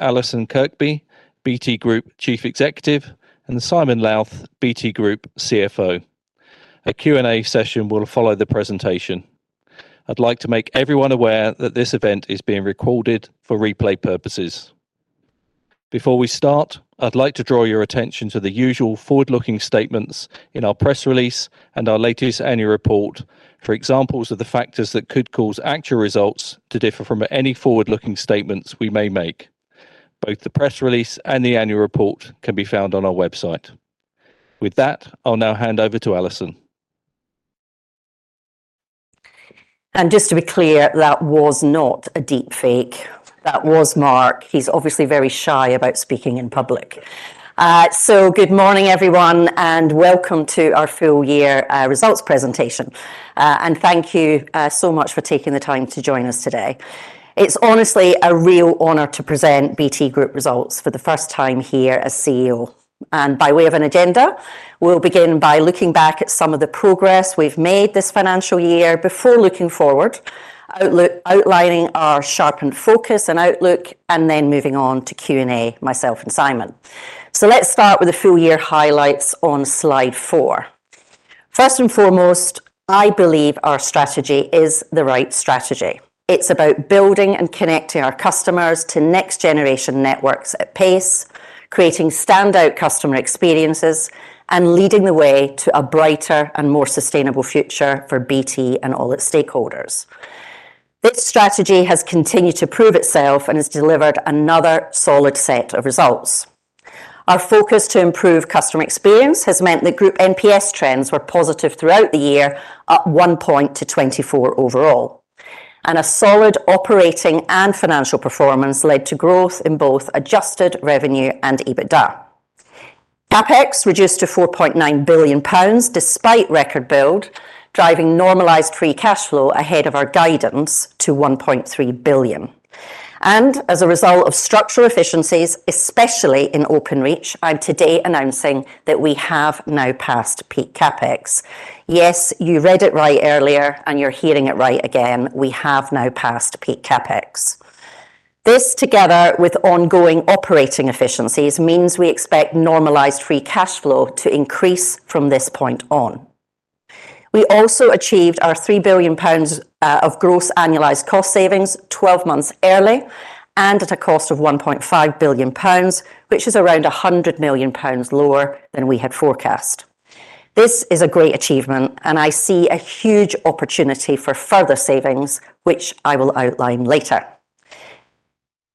Allison Kirkby, BT Group Chief Executive, and Simon Lowth, BT Group CFO. A Q&A session will follow the presentation. I'd like to make everyone aware that this event is being recorded for replay purposes. Before we start, I'd like to draw your attention to the usual forward-looking statements in our press release and our latest annual report for examples of the factors that could cause actual results to differ from any forward-looking statements we may make. Both the press release and the annual report can be found on our website. With that, I'll now hand over to Allison. Just to be clear, that was not a deep fake. That was Mark. He's obviously very shy about speaking in public. So good morning, everyone, and welcome to our full year results presentation. And thank you so much for taking the time to join us today. It's honestly a real honor to present BT Group results for the first time here as CEO. By way of an agenda, we'll begin by looking back at some of the progress we've made this financial year before looking forward, outlining our sharpened focus and outlook, and then moving on to Q&A, myself and Simon. So let's start with the full year highlights on Slide 4. First and foremost, I believe our strategy is the right strategy. It's about building and connecting our customers to next-generation networks at pace, creating standout customer experiences, and leading the way to a brighter and more sustainable future for BT and all its stakeholders. This strategy has continued to prove itself and has delivered another solid set of results. Our focus to improve customer experience has meant that group NPS trends were positive throughout the year, up 1 point to 24 overall, and a solid operating and financial performance led to growth in both adjusted revenue and EBITDA. CapEx reduced to 4.9 billion pounds, despite record build, driving normalized free cash flow ahead of our guidance to 1.3 billion. As a result of structural efficiencies, especially in Openreach, I'm today announcing that we have now passed peak CapEx. Yes, you read it right earlier, and you're hearing it right again: we have now passed peak CapEx. This, together with ongoing operating efficiencies, means we expect normalized free cash flow to increase from this point on. We also achieved our 3 billion pounds of gross annualized cost savings 12 months early and at a cost of 1.5 billion pounds, which is around 100 million pounds lower than we had forecast. This is a great achievement, and I see a huge opportunity for further savings, which I will outline later.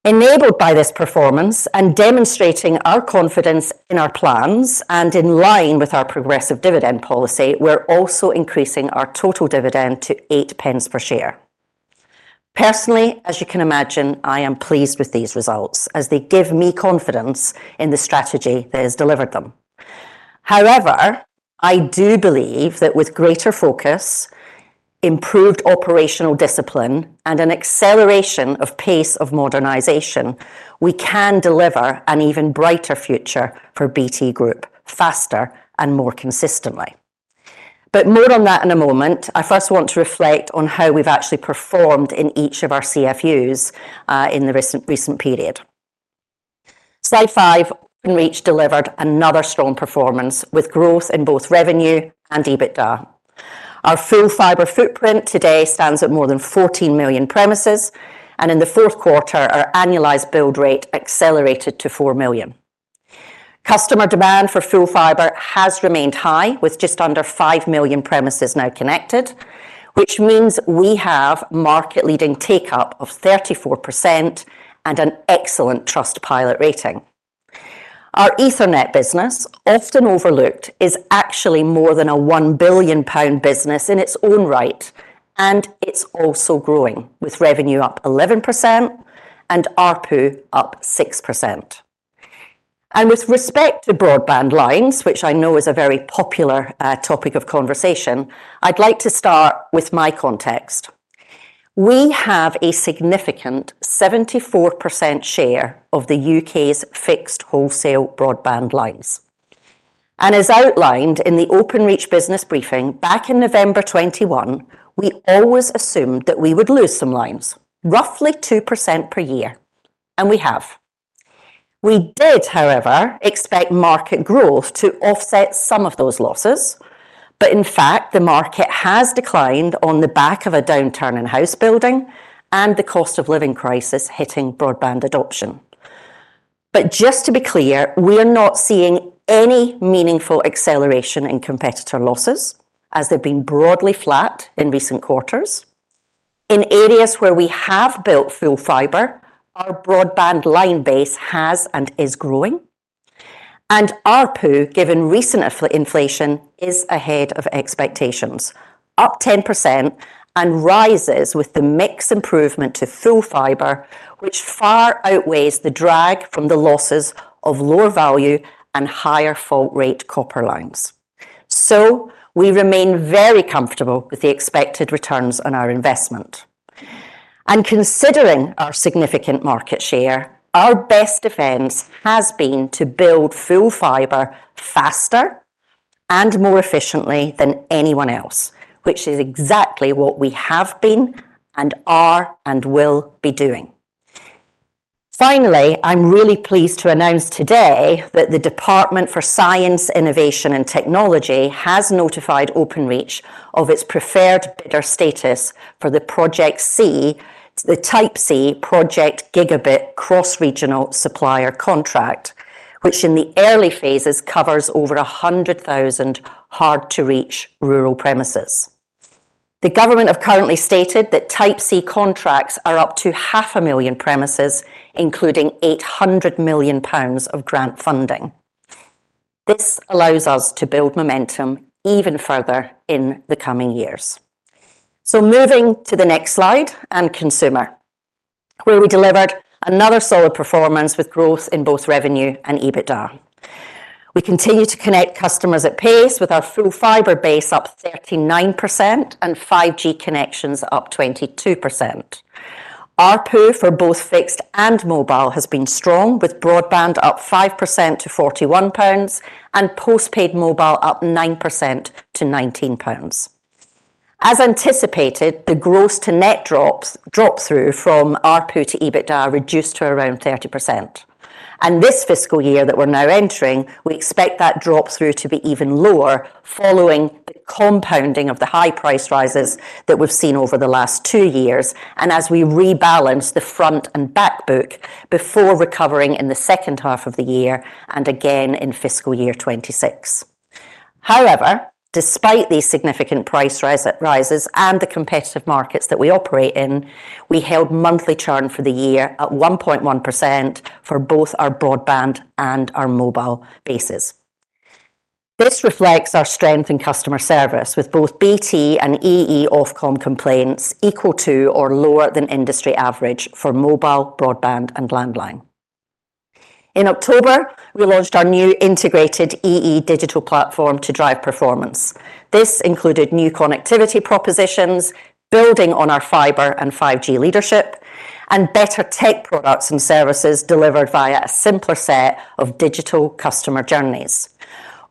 Enabled by this performance and demonstrating our confidence in our plans and in line with our progressive dividend policy, we're also increasing our total dividend to 8 pence per share. Personally, as you can imagine, I am pleased with these results as they give me confidence in the strategy that has delivered them. However, I do believe that with greater focus, improved operational discipline, and an acceleration of pace of modernization, we can deliver an even brighter future for BT Group, faster and more consistently. But more on that in a moment. I first want to reflect on how we've actually performed in each of our CFUs in the recent period. Slide 5, Openreach delivered another strong performance, with growth in both revenue and EBITDA. Our full fiber footprint today stands at more than 14 million premises, and in the fourth quarter, our annualized build rate accelerated to 4 million. Customer demand for full fiber has remained high, with just under 5 million premises now connected, which means we have market-leading take-up of 34% and an excellent Trustpilot rating. Our Ethernet business, often overlooked, is actually more than a 1 billion pound business in its own right, and it's also growing, with revenue up 11% and ARPU up 6%. With respect to broadband lines, which I know is a very popular topic of conversation, I'd like to start with my context. We have a significant 74% share of the U.K.'s fixed wholesale broadband lines. As outlined in the Openreach business briefing back in November 2021, we always assumed that we would lose some lines, roughly 2% per year, and we have. We did, however, expect market growth to offset some of those losses, but in fact, the market has declined on the back of a downturn in house building and the cost of living crisis hitting broadband adoption. But just to be clear, we are not seeing any meaningful acceleration in competitor losses, as they've been broadly flat in recent quarters. In areas where we have built full fiber, our broadband line base has and is growing, and ARPU, given recent inflation, is ahead of expectations, up 10%, and rises with the mix improvement to full fiber, which far outweighs the drag from the losses of lower value and higher fault rate copper lines. So we remain very comfortable with the expected returns on our investment. And considering our significant market share, our best defense has been to build full fiber faster and more efficiently than anyone else, which is exactly what we have been and are and will be doing. Finally, I'm really pleased to announce today that the Department for Science, Innovation and Technology has notified Openreach of its preferred bidder status for the Project C, the Type C Project Gigabit Cross Regional Supplier contract, which in the early phases, covers over 100,000 hard to reach rural premises. The government have currently stated that Type C contracts are up to 500,000 premises, including 800 million pounds of grant funding. This allows us to build momentum even further in the coming years. So moving to the next slide and consumer, where we delivered another solid performance with growth in both revenue and EBITDA. We continue to connect customers at pace with our full fiber base up 39% and 5G connections up 22%. ARPU for both fixed and mobile has been strong, with broadband up 5% to 41 pounds and postpaid mobile up 9% to 19 pounds. As anticipated, the gross to net drops, drop through from ARPU to EBITDA reduced to around 30%. And this fiscal year that we're now entering, we expect that drop through to be even lower, following the compounding of the high price rises that we've seen over the last 2 years, and as we rebalance the front and back book before recovering in the second half of the year and again in fiscal year 2026. However, despite these significant price rise, rises and the competitive markets that we operate in, we held monthly churn for the year at 1.1% for both our broadband and our mobile bases. This reflects our strength in customer service, with both BT and EE Ofcom complaints equal to or lower than industry average for mobile, broadband, and landline. In October, we launched our new integrated EE digital platform to drive performance. This included new connectivity propositions, building on our fiber and 5G leadership, and better tech products and services delivered via a simpler set of digital customer journeys.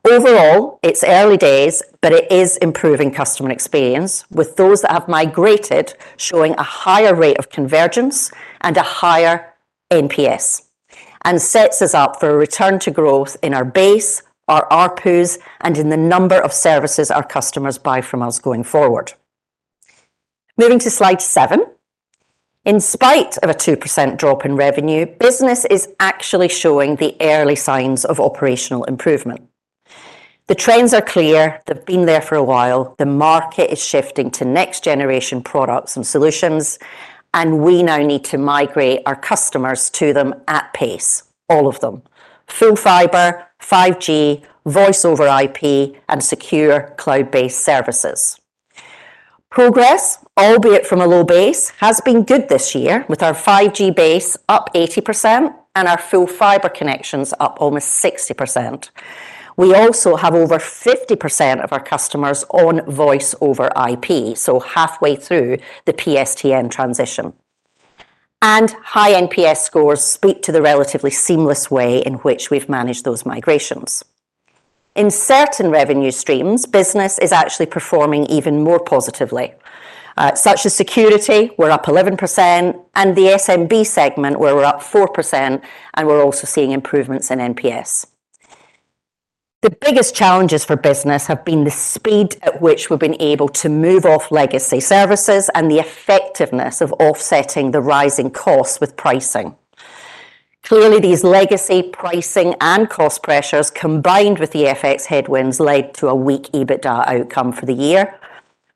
Overall, it's early days, but it is improving customer experience, with those that have migrated showing a higher rate of convergence and a higher NPS, and sets us up for a return to growth in our base, our ARPUs, and in the number of services our customers buy from us going forward. Moving to slide 7. In spite of a 2% drop in revenue, business is actually showing the early signs of operational improvement. The trends are clear. They've been there for a while. The market is shifting to next generation products and solutions, and we now need to migrate our customers to them at pace, all of them. Full fiber, 5G, Voice over IP, and secure cloud-based services. Progress, albeit from a low base, has been good this year, with our 5G base up 80% and our full fiber connections up almost 60%. We also have over 50% of our customers on Voice over IP, so halfway through the PSTN transition. High NPS scores speak to the relatively seamless way in which we've managed those migrations. In certain revenue streams, business is actually performing even more positively. Such as security, we're up 11%, and the SMB segment, where we're up 4%, and we're also seeing improvements in NPS. The biggest challenges for business have been the speed at which we've been able to move off legacy services and the effectiveness of offsetting the rising costs with pricing. Clearly, these legacy pricing and cost pressures, combined with the FX headwinds, led to a weak EBITDA outcome for the year.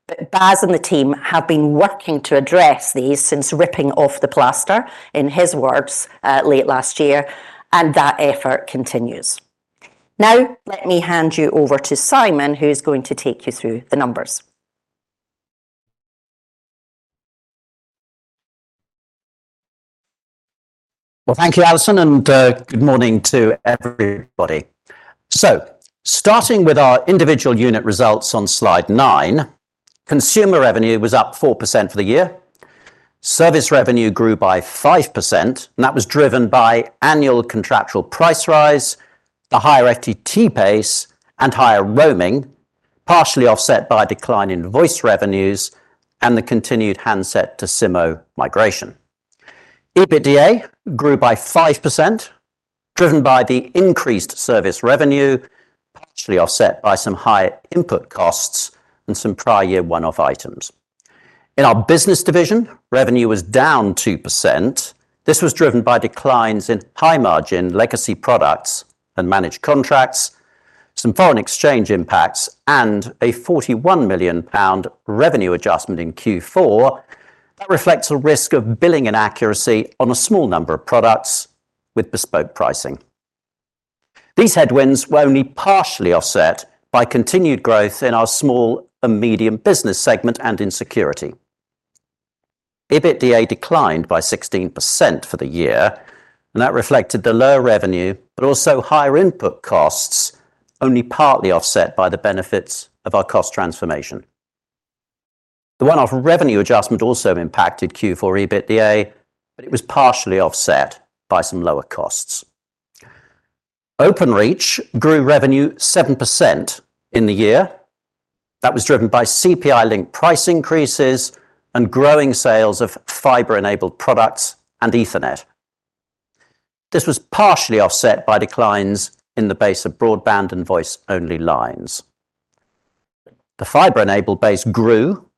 But Bas and the team have been working to address these since ripping off the plaster, in his words, late last year, and that effort continues. Now, let me hand you over to Simon, who is going to take you through the numbers. Well, thank you, Allison, and good morning to everybody. So starting with our individual unit results on Slide 9, consumer revenue was up 4% for the year. Service revenue grew by 5%, and that was driven by annual contractual price rise, the higher FTTP pace, and higher roaming, partially offset by a decline in voice revenues and the continued handset to SIMO migration. EBITDA grew by 5%, driven by the increased service revenue, partially offset by some higher input costs and some prior year one-off items. In our business division, revenue was down 2%. This was driven by declines in high-margin legacy products and managed contracts, some foreign exchange impacts, and a 41 million pound revenue adjustment in Q4. That reflects a risk of billing inaccuracy on a small number of products with bespoke pricing. These headwinds were only partially offset by continued growth in our small and medium business segment and in security. EBITDA declined by 16% for the year, and that reflected the lower revenue, but also higher input costs, only partly offset by the benefits of our cost transformation. The one-off revenue adjustment also impacted Q4 EBITDA, but it was partially offset by some lower costs. Openreach grew revenue 7% in the year. That was driven by CPI-linked price increases and growing sales of fiber-enabled products and Ethernet. This was partially offset by declines in the base of broadband and voice-only lines. The fiber-enabled base grew,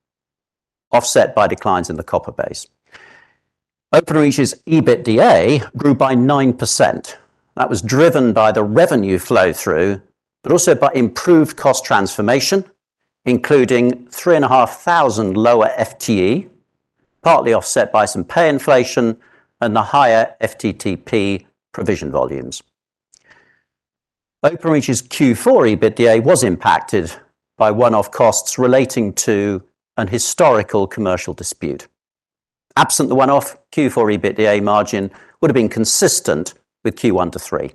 offset by declines in the copper base. Openreach's EBITDA grew by 9%. That was driven by the revenue flow-through, but also by improved cost transformation, including 3,500 lower FTE, partly offset by some pay inflation and the higher FTTP provision volumes. Openreach's Q4 EBITDA was impacted by one-off costs relating to a historical commercial dispute. Absent the one-off, Q4 EBITDA margin would have been consistent with Q1 to Q3.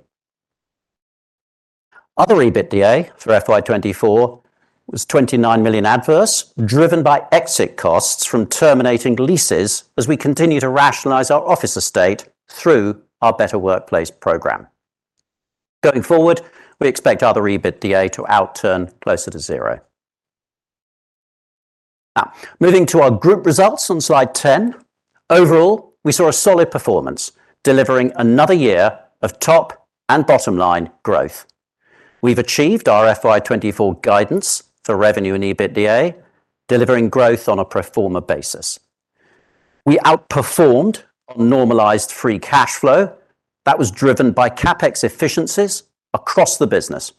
Other EBITDA for FY 2024 was 29 million adverse, driven by exit costs from terminating leases as we continue to rationalize our office estate through our Better Workplace program. Going forward, we expect other EBITDA to outturn closer to zero. Now, moving to our group results on slide 10. Overall, we saw a solid performance, delivering another year of top and bottom line growth. We've achieved our FY 2024 guidance for revenue and EBITDA, delivering growth on a pro forma basis. We outperformed on normalized free cash flow. That was driven by CapEx efficiencies across the business.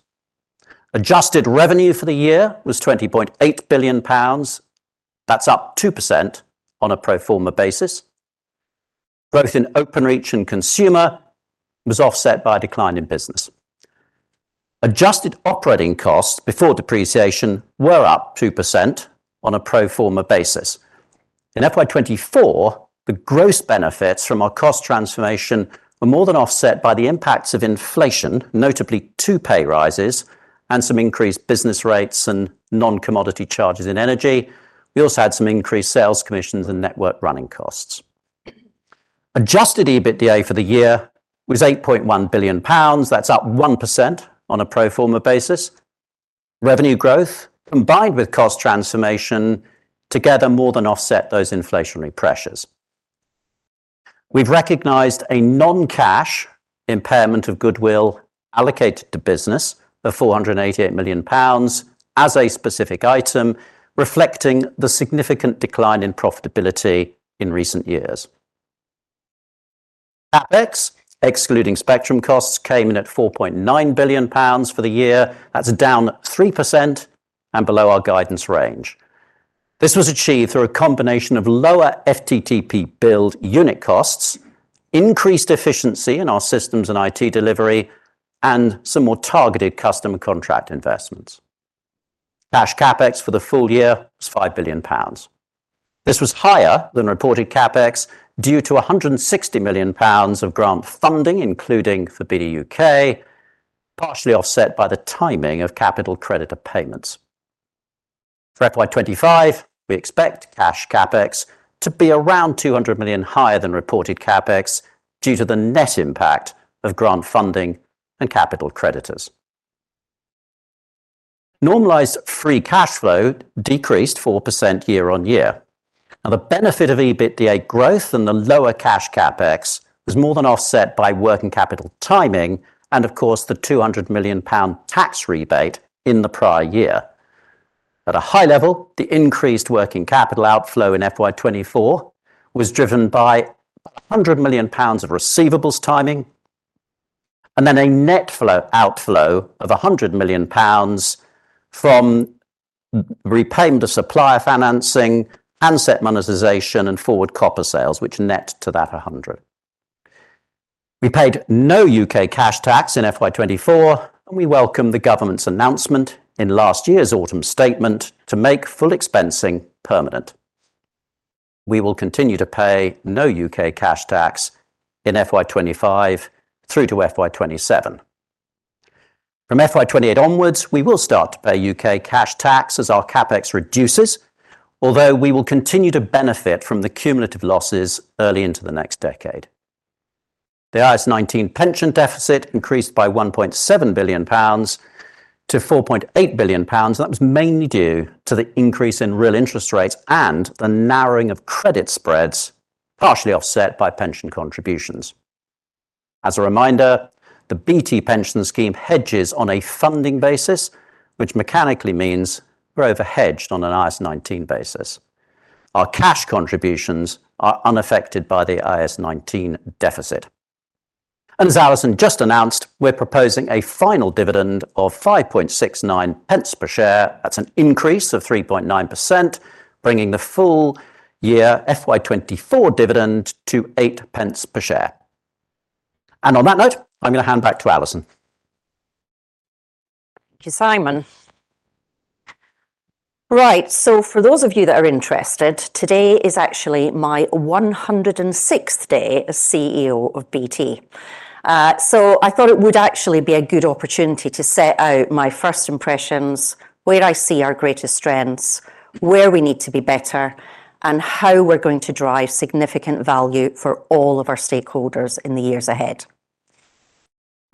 Adjusted revenue for the year was 20.8 billion pounds. That's up 2% on a pro forma basis. Growth in Openreach and Consumer was offset by a decline in Business. Adjusted operating costs before depreciation were up 2% on a pro forma basis. In FY 2024, the gross benefits from our cost transformation were more than offset by the impacts of inflation, notably two pay rises and some increased business rates and non-commodity charges in energy. We also had some increased sales commissions and network running costs. Adjusted EBITDA for the year was 8.1 billion pounds. That's up 1% on a pro forma basis. Revenue growth, combined with cost transformation, together more than offset those inflationary pressures. We've recognized a non-cash impairment of goodwill allocated to Business of 488 million pounds as a specific item, reflecting the significant decline in profitability in recent years. CapEx, excluding spectrum costs, came in at 4.9 billion pounds for the year. That's down 3% and below our guidance range. This was achieved through a combination of lower FTTP build unit costs, increased efficiency in our systems and IT delivery, and some more targeted customer contract investments. Cash CapEx for the full year was 5 billion pounds. This was higher than reported CapEx due to 160 million pounds of grant funding, including for BDUK, partially offset by the timing of capital creditor payments. For FY 2025, we expect cash CapEx to be around 200 million higher than reported CapEx due to the net impact of grant funding and capital creditors. Normalized free cash flow decreased 4% year-on-year. Now, the benefit of EBITDA growth and the lower cash CapEx was more than offset by working capital timing and, of course, the 200 million pound tax rebate in the prior year. At a high level, the increased working capital outflow in FY 2024 was driven by 100 million pounds of receivables timing, and then a net flow outflow of 100 million pounds from repayment to supplier financing, handset monetization, and forward copper sales, which net to that 100. We paid no UK cash tax in FY 2024, and we welcome the government's announcement in last year's Autumn Statement to make full expensing permanent. We will continue to pay no UK cash tax in FY 2025 through to FY 2027. From FY 2028 onwards, we will start to pay UK cash tax as our CapEx reduces, although we will continue to benefit from the cumulative losses early into the next decade. The IAS 19 pension deficit increased by 1.7 billion pounds to 4.8 billion pounds. That was mainly due to the increase in real interest rates and the narrowing of credit spreads, partially offset by pension contributions. As a reminder, the BT pension scheme hedges on a funding basis, which mechanically means we're over-hedged on an IAS 19 basis. Our cash contributions are unaffected by the IAS 19 deficit. As Allison just announced, we're proposing a final dividend of 0.0569 per share. That's an increase of 3.9%, bringing the full year FY 2024 dividend to 0.08 per share. On that note, I'm gonna hand back to Allison.... Thank you, Simon. Right, so for those of you that are interested, today is actually my 106th day as CEO of BT. So I thought it would actually be a good opportunity to set out my first impressions, where I see our greatest strengths, where we need to be better, and how we're going to drive significant value for all of our stakeholders in the years ahead.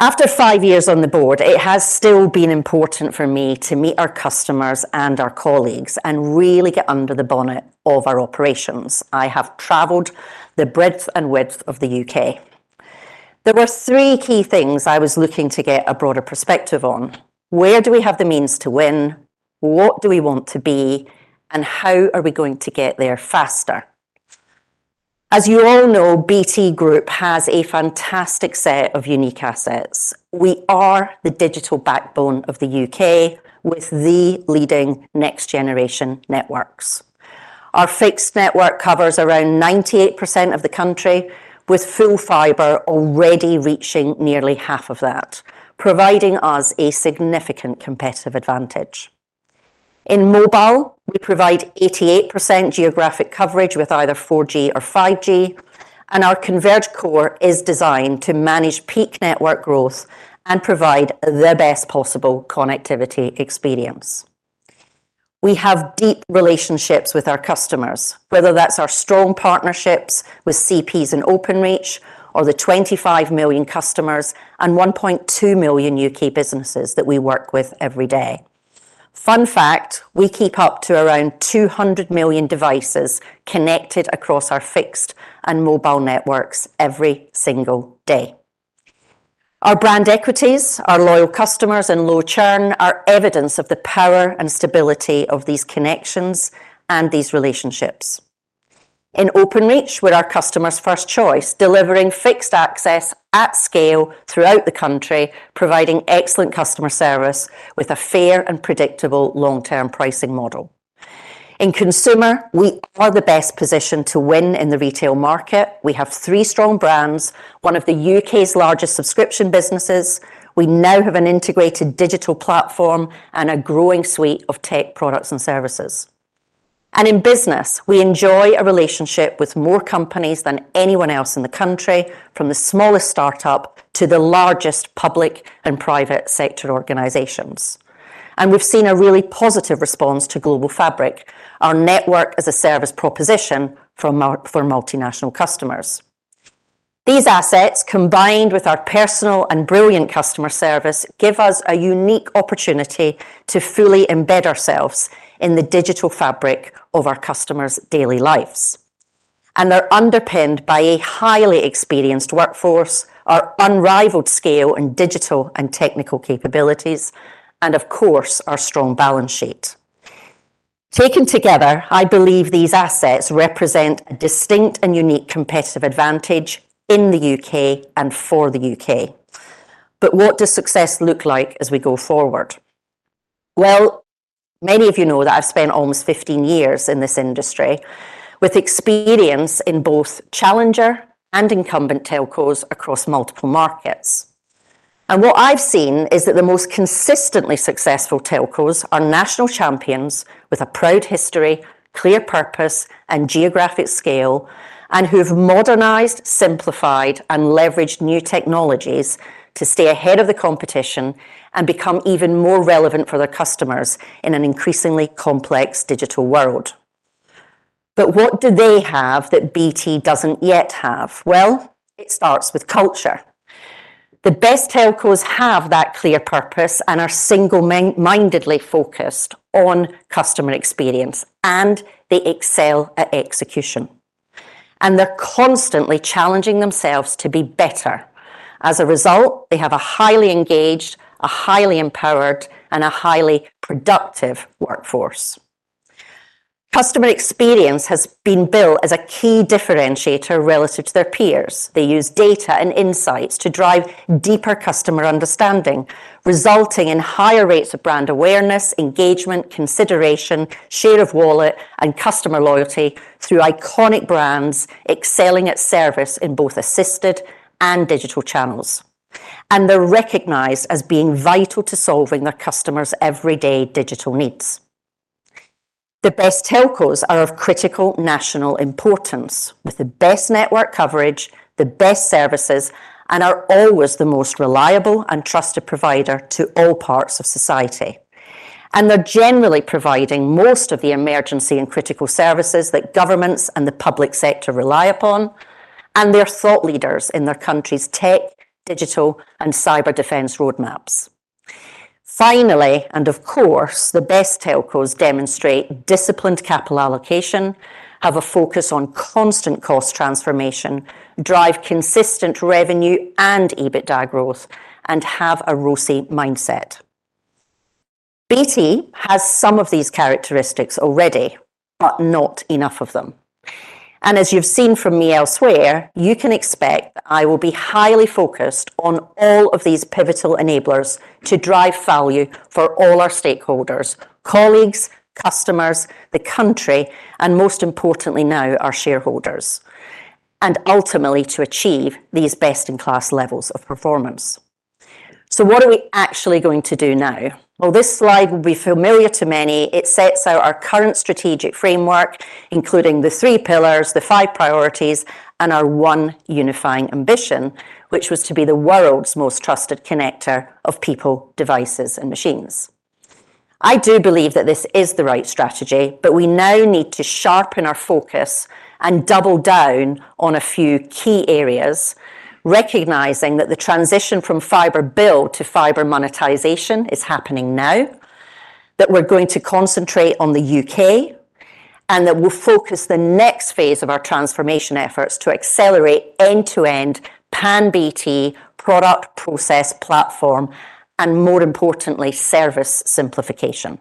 After 5 years on the board, it has still been important for me to meet our customers and our colleagues and really get under the bonnet of our operations. I have traveled the breadth and width of the UK. There were three key things I was looking to get a broader perspective on: Where do we have the means to win? What do we want to be? And how are we going to get there faster? As you all know, BT Group has a fantastic set of unique assets. We are the digital backbone of the U.K., with the leading next-generation networks. Our fixed network covers around 98% of the country, with full fiber already reaching nearly half of that, providing us a significant competitive advantage. In mobile, we provide 88% geographic coverage with either 4G or 5G, and our converged core is designed to manage peak network growth and provide the best possible connectivity experience. We have deep relationships with our customers, whether that's our strong partnerships with CPs and Openreach, or the 25 million customers and 1.2 million U.K. businesses that we work with every day. Fun fact: we keep up to around 200 million devices connected across our fixed and mobile networks every single day. Our brand equities, our loyal customers, and low churn are evidence of the power and stability of these connections and these relationships. In Openreach, we're our customers' first choice, delivering fixed access at scale throughout the country, providing excellent customer service with a fair and predictable long-term pricing model. In Consumer, we are the best positioned to win in the retail market. We have three strong brands, one of the UK's largest subscription businesses. We now have an integrated digital platform and a growing suite of tech products and services. And in Business, we enjoy a relationship with more companies than anyone else in the country, from the smallest startup to the largest public and private sector organizations. And we've seen a really positive response to Global Fabric, our network as a service proposition for multinational customers. These assets, combined with our personal and brilliant customer service, give us a unique opportunity to fully embed ourselves in the digital fabric of our customers' daily lives, and they're underpinned by a highly experienced workforce, our unrivaled scale and digital and technical capabilities, and, of course, our strong balance sheet. Taken together, I believe these assets represent a distinct and unique competitive advantage in the UK and for the UK. But what does success look like as we go forward? Well, many of you know that I've spent almost 15 years in this industry, with experience in both challenger and incumbent telcos across multiple markets. What I've seen is that the most consistently successful telcos are national champions with a proud history, clear purpose, and geographic scale, and who have modernized, simplified, and leveraged new technologies to stay ahead of the competition and become even more relevant for their customers in an increasingly complex digital world. But what do they have that BT doesn't yet have? Well, it starts with culture. The best telcos have that clear purpose and are single-mindedly focused on customer experience, and they excel at execution, and they're constantly challenging themselves to be better. As a result, they have a highly engaged, a highly empowered, and a highly productive workforce. Customer experience has been built as a key differentiator relative to their peers. They use data and insights to drive deeper customer understanding, resulting in higher rates of brand awareness, engagement, consideration, share of wallet, and customer loyalty through iconic brands excelling at service in both assisted and digital channels. They're recognized as being vital to solving their customers' everyday digital needs. The best telcos are of critical national importance, with the best network coverage, the best services, and are always the most reliable and trusted provider to all parts of society. They're generally providing most of the emergency and critical services that governments and the public sector rely upon, and they're thought leaders in their country's tech, digital, and cyber defense roadmaps. Finally, and of course, the best telcos demonstrate disciplined capital allocation, have a focus on constant cost transformation, drive consistent revenue and EBITDA growth, and have a ROACE mindset. BT has some of these characteristics already, but not enough of them, and as you've seen from me elsewhere, you can expect that I will be highly focused on all of these pivotal enablers to drive value for all our stakeholders, colleagues, customers, the country, and most importantly, now, our shareholders... and ultimately to achieve these best-in-class levels of performance. So what are we actually going to do now? Well, this slide will be familiar to many. It sets out our current strategic framework, including the three pillars, the five priorities, and our one unifying ambition, which was to be the world's most trusted connector of people, devices, and machines. I do believe that this is the right strategy, but we now need to sharpen our focus and double down on a few key areas, recognizing that the transition from fiber build to fiber monetization is happening now, that we're going to concentrate on the UK, and that we'll focus the next phase of our transformation efforts to accelerate end-to-end pan BT product, process, platform, and more importantly, service simplification.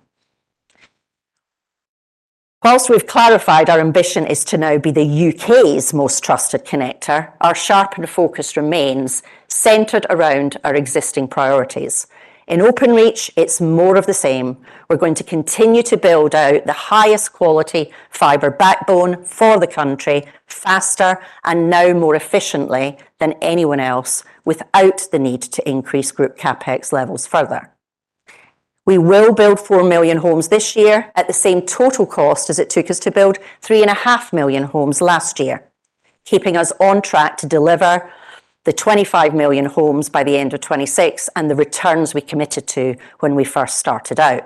While we've clarified our ambition is to now be the UK's most trusted connector, our sharpened focus remains centered around our existing priorities. In Openreach, it's more of the same. We're going to continue to build out the highest quality fiber backbone for the country, faster and now more efficiently than anyone else, without the need to increase group CapEx levels further. We will build 4 million homes this year at the same total cost as it took us to build 3.5 million homes last year, keeping us on track to deliver the 25 million homes by the end of 2026, and the returns we committed to when we first started out.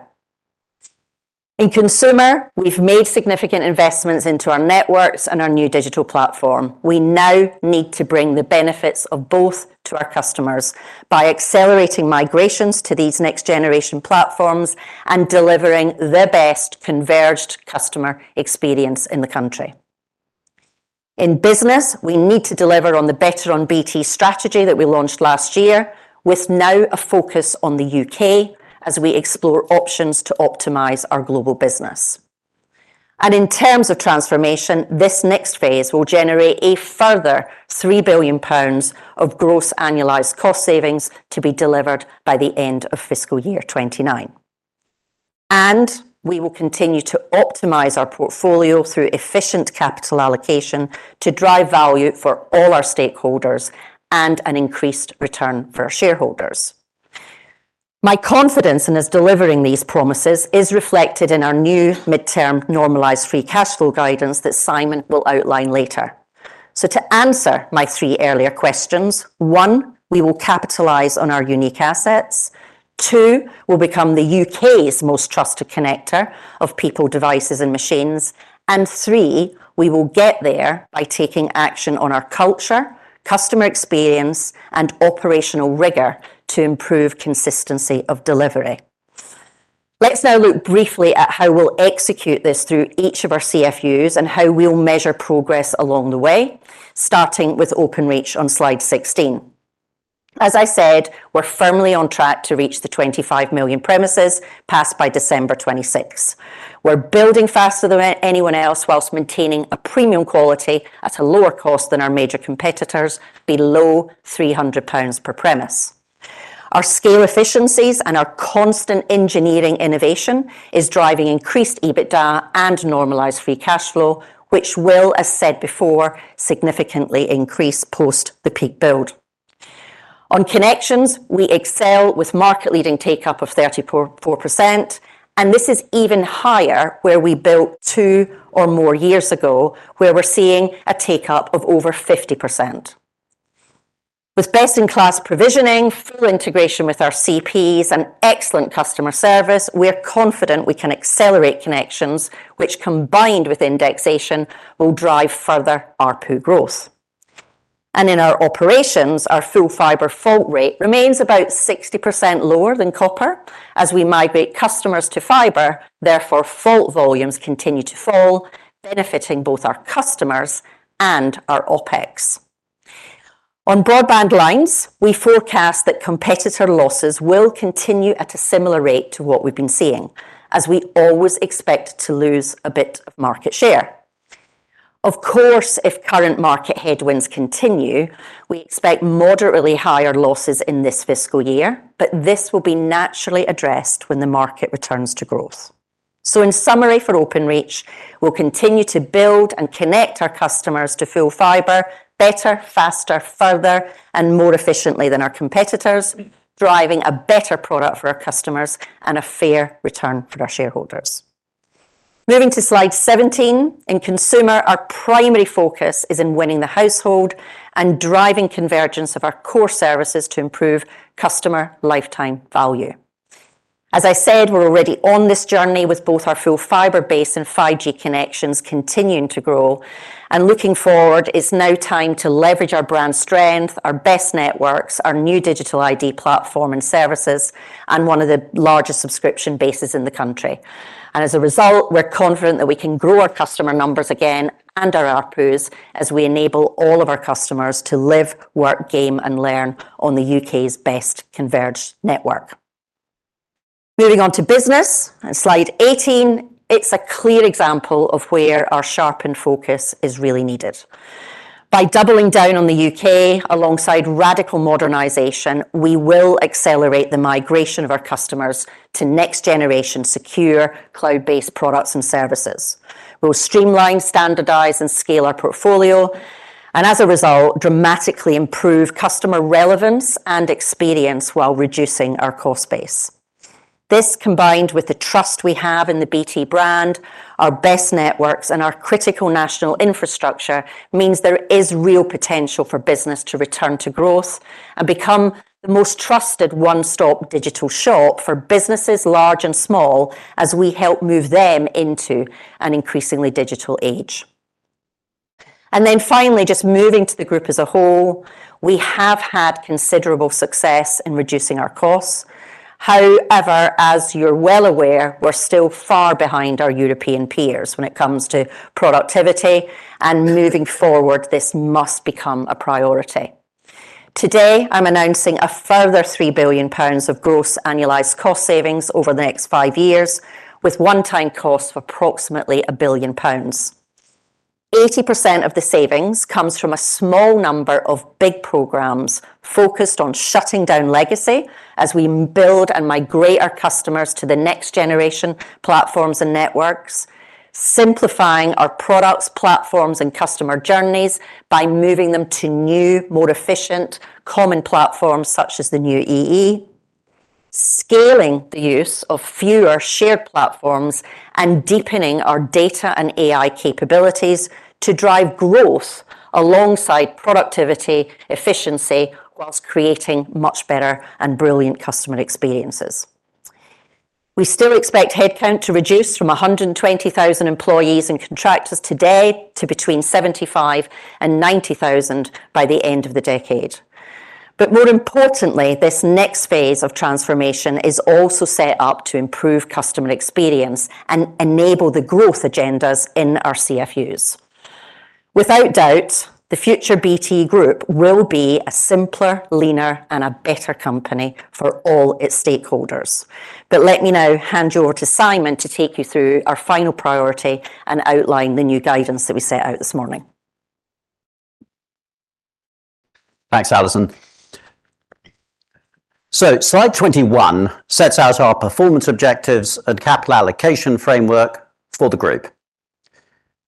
In Consumer, we've made significant investments into our networks and our new digital platform. We now need to bring the benefits of both to our customers by accelerating migrations to these next-generation platforms and delivering the best converged customer experience in the country. In Business, we need to deliver on the Better on BT strategy that we launched last year, with now a focus on the UK as we explore options to optimize our global business. In terms of transformation, this next phase will generate a further 3 billion pounds of gross annualized cost savings to be delivered by the end of fiscal year 2029. We will continue to optimize our portfolio through efficient capital allocation to drive value for all our stakeholders and an increased return for our shareholders. My confidence in us delivering these promises is reflected in our new midterm normalized free cash flow guidance that Simon will outline later. To answer my three earlier questions: one, we will capitalize on our unique assets. Two, we'll become the U.K.'s most trusted connector of people, devices, and machines. And three, we will get there by taking action on our culture, customer experience, and operational rigor to improve consistency of delivery. Let's now look briefly at how we'll execute this through each of our CFUs and how we'll measure progress along the way, starting with Openreach on slide 16. As I said, we're firmly on track to reach the 25 million premises passed by December 2026. We're building faster than anyone else, while maintaining a premium quality at a lower cost than our major competitors, below 300 pounds per premise. Our scale efficiencies and our constant engineering innovation is driving increased EBITDA and normalized free cash flow, which will, as said before, significantly increase post the peak build. On connections, we excel with market-leading take-up of 34%, and this is even higher where we built 2 or more years ago, where we're seeing a take-up of over 50%. With best-in-class provisioning, full integration with our CPs, and excellent customer service, we are confident we can accelerate connections, which, combined with indexation, will drive further ARPU growth. In our operations, our full fiber fault rate remains about 60% lower than copper as we migrate customers to fiber. Therefore, fault volumes continue to fall, benefiting both our customers and our OpEx. On broadband lines, we forecast that competitor losses will continue at a similar rate to what we've been seeing, as we always expect to lose a bit of market share. Of course, if current market headwinds continue, we expect moderately higher losses in this fiscal year, but this will be naturally addressed when the market returns to growth. In summary, for Openreach, we'll continue to build and connect our customers to full fiber better, faster, further, and more efficiently than our competitors, driving a better product for our customers and a fair return for our shareholders. Moving to slide 17, in Consumer, our primary focus is in winning the household and driving convergence of our core services to improve customer lifetime value. As I said, we're already on this journey, with both our full fiber base and 5G connections continuing to grow. Looking forward, it's now time to leverage our brand strength, our best networks, our new digital ID platform and services, and one of the largest subscription bases in the country. And as a result, we're confident that we can grow our customer numbers again and our ARPUs, as we enable all of our customers to live, work, game, and learn on the UK's best converged network. Moving on to Business and slide 18, it's a clear example of where our sharpened focus is really needed. By doubling down on the UK alongside radical modernization, we will accelerate the migration of our customers to next-generation, secure, cloud-based products and services.... We'll streamline, standardize, and scale our portfolio, and as a result, dramatically improve customer relevance and experience, while reducing our cost base. This, combined with the trust we have in the BT brand, our best networks, and our critical national infrastructure, means there is real potential for business to return to growth and become the most trusted one-stop digital shop for businesses, large and small, as we help move them into an increasingly digital age. And then finally, just moving to the group as a whole, we have had considerable success in reducing our costs. However, as you're well aware, we're still far behind our European peers when it comes to productivity, and moving forward, this must become a priority. Today, I'm announcing a further 3 billion pounds of gross annualized cost savings over the next five years, with one-time costs of approximately 1 billion pounds. 80% of the savings comes from a small number of big programs focused on shutting down legacy as we build and migrate our customers to the next-generation platforms and networks. Simplifying our products, platforms, and customer journeys by moving them to new, more efficient, common platforms, such as the new EE. Scaling the use of fewer shared platforms. And deepening our data and AI capabilities to drive growth alongside productivity, efficiency, while creating much better and brilliant customer experiences. We still expect headcount to reduce from 120,000 employees and contractors today to between 75,000-90,000 by the end of the decade. But more importantly, this next phase of transformation is also set up to improve customer experience and enable the growth agendas in our CFUs. Without doubt, the future BT Group will be a simpler, leaner, and a better company for all its stakeholders. But let me now hand you over to Simon to take you through our final priority and outline the new guidance that we set out this morning. Thanks, Allison. So Slide 21 sets out our performance objectives and capital allocation framework for the group.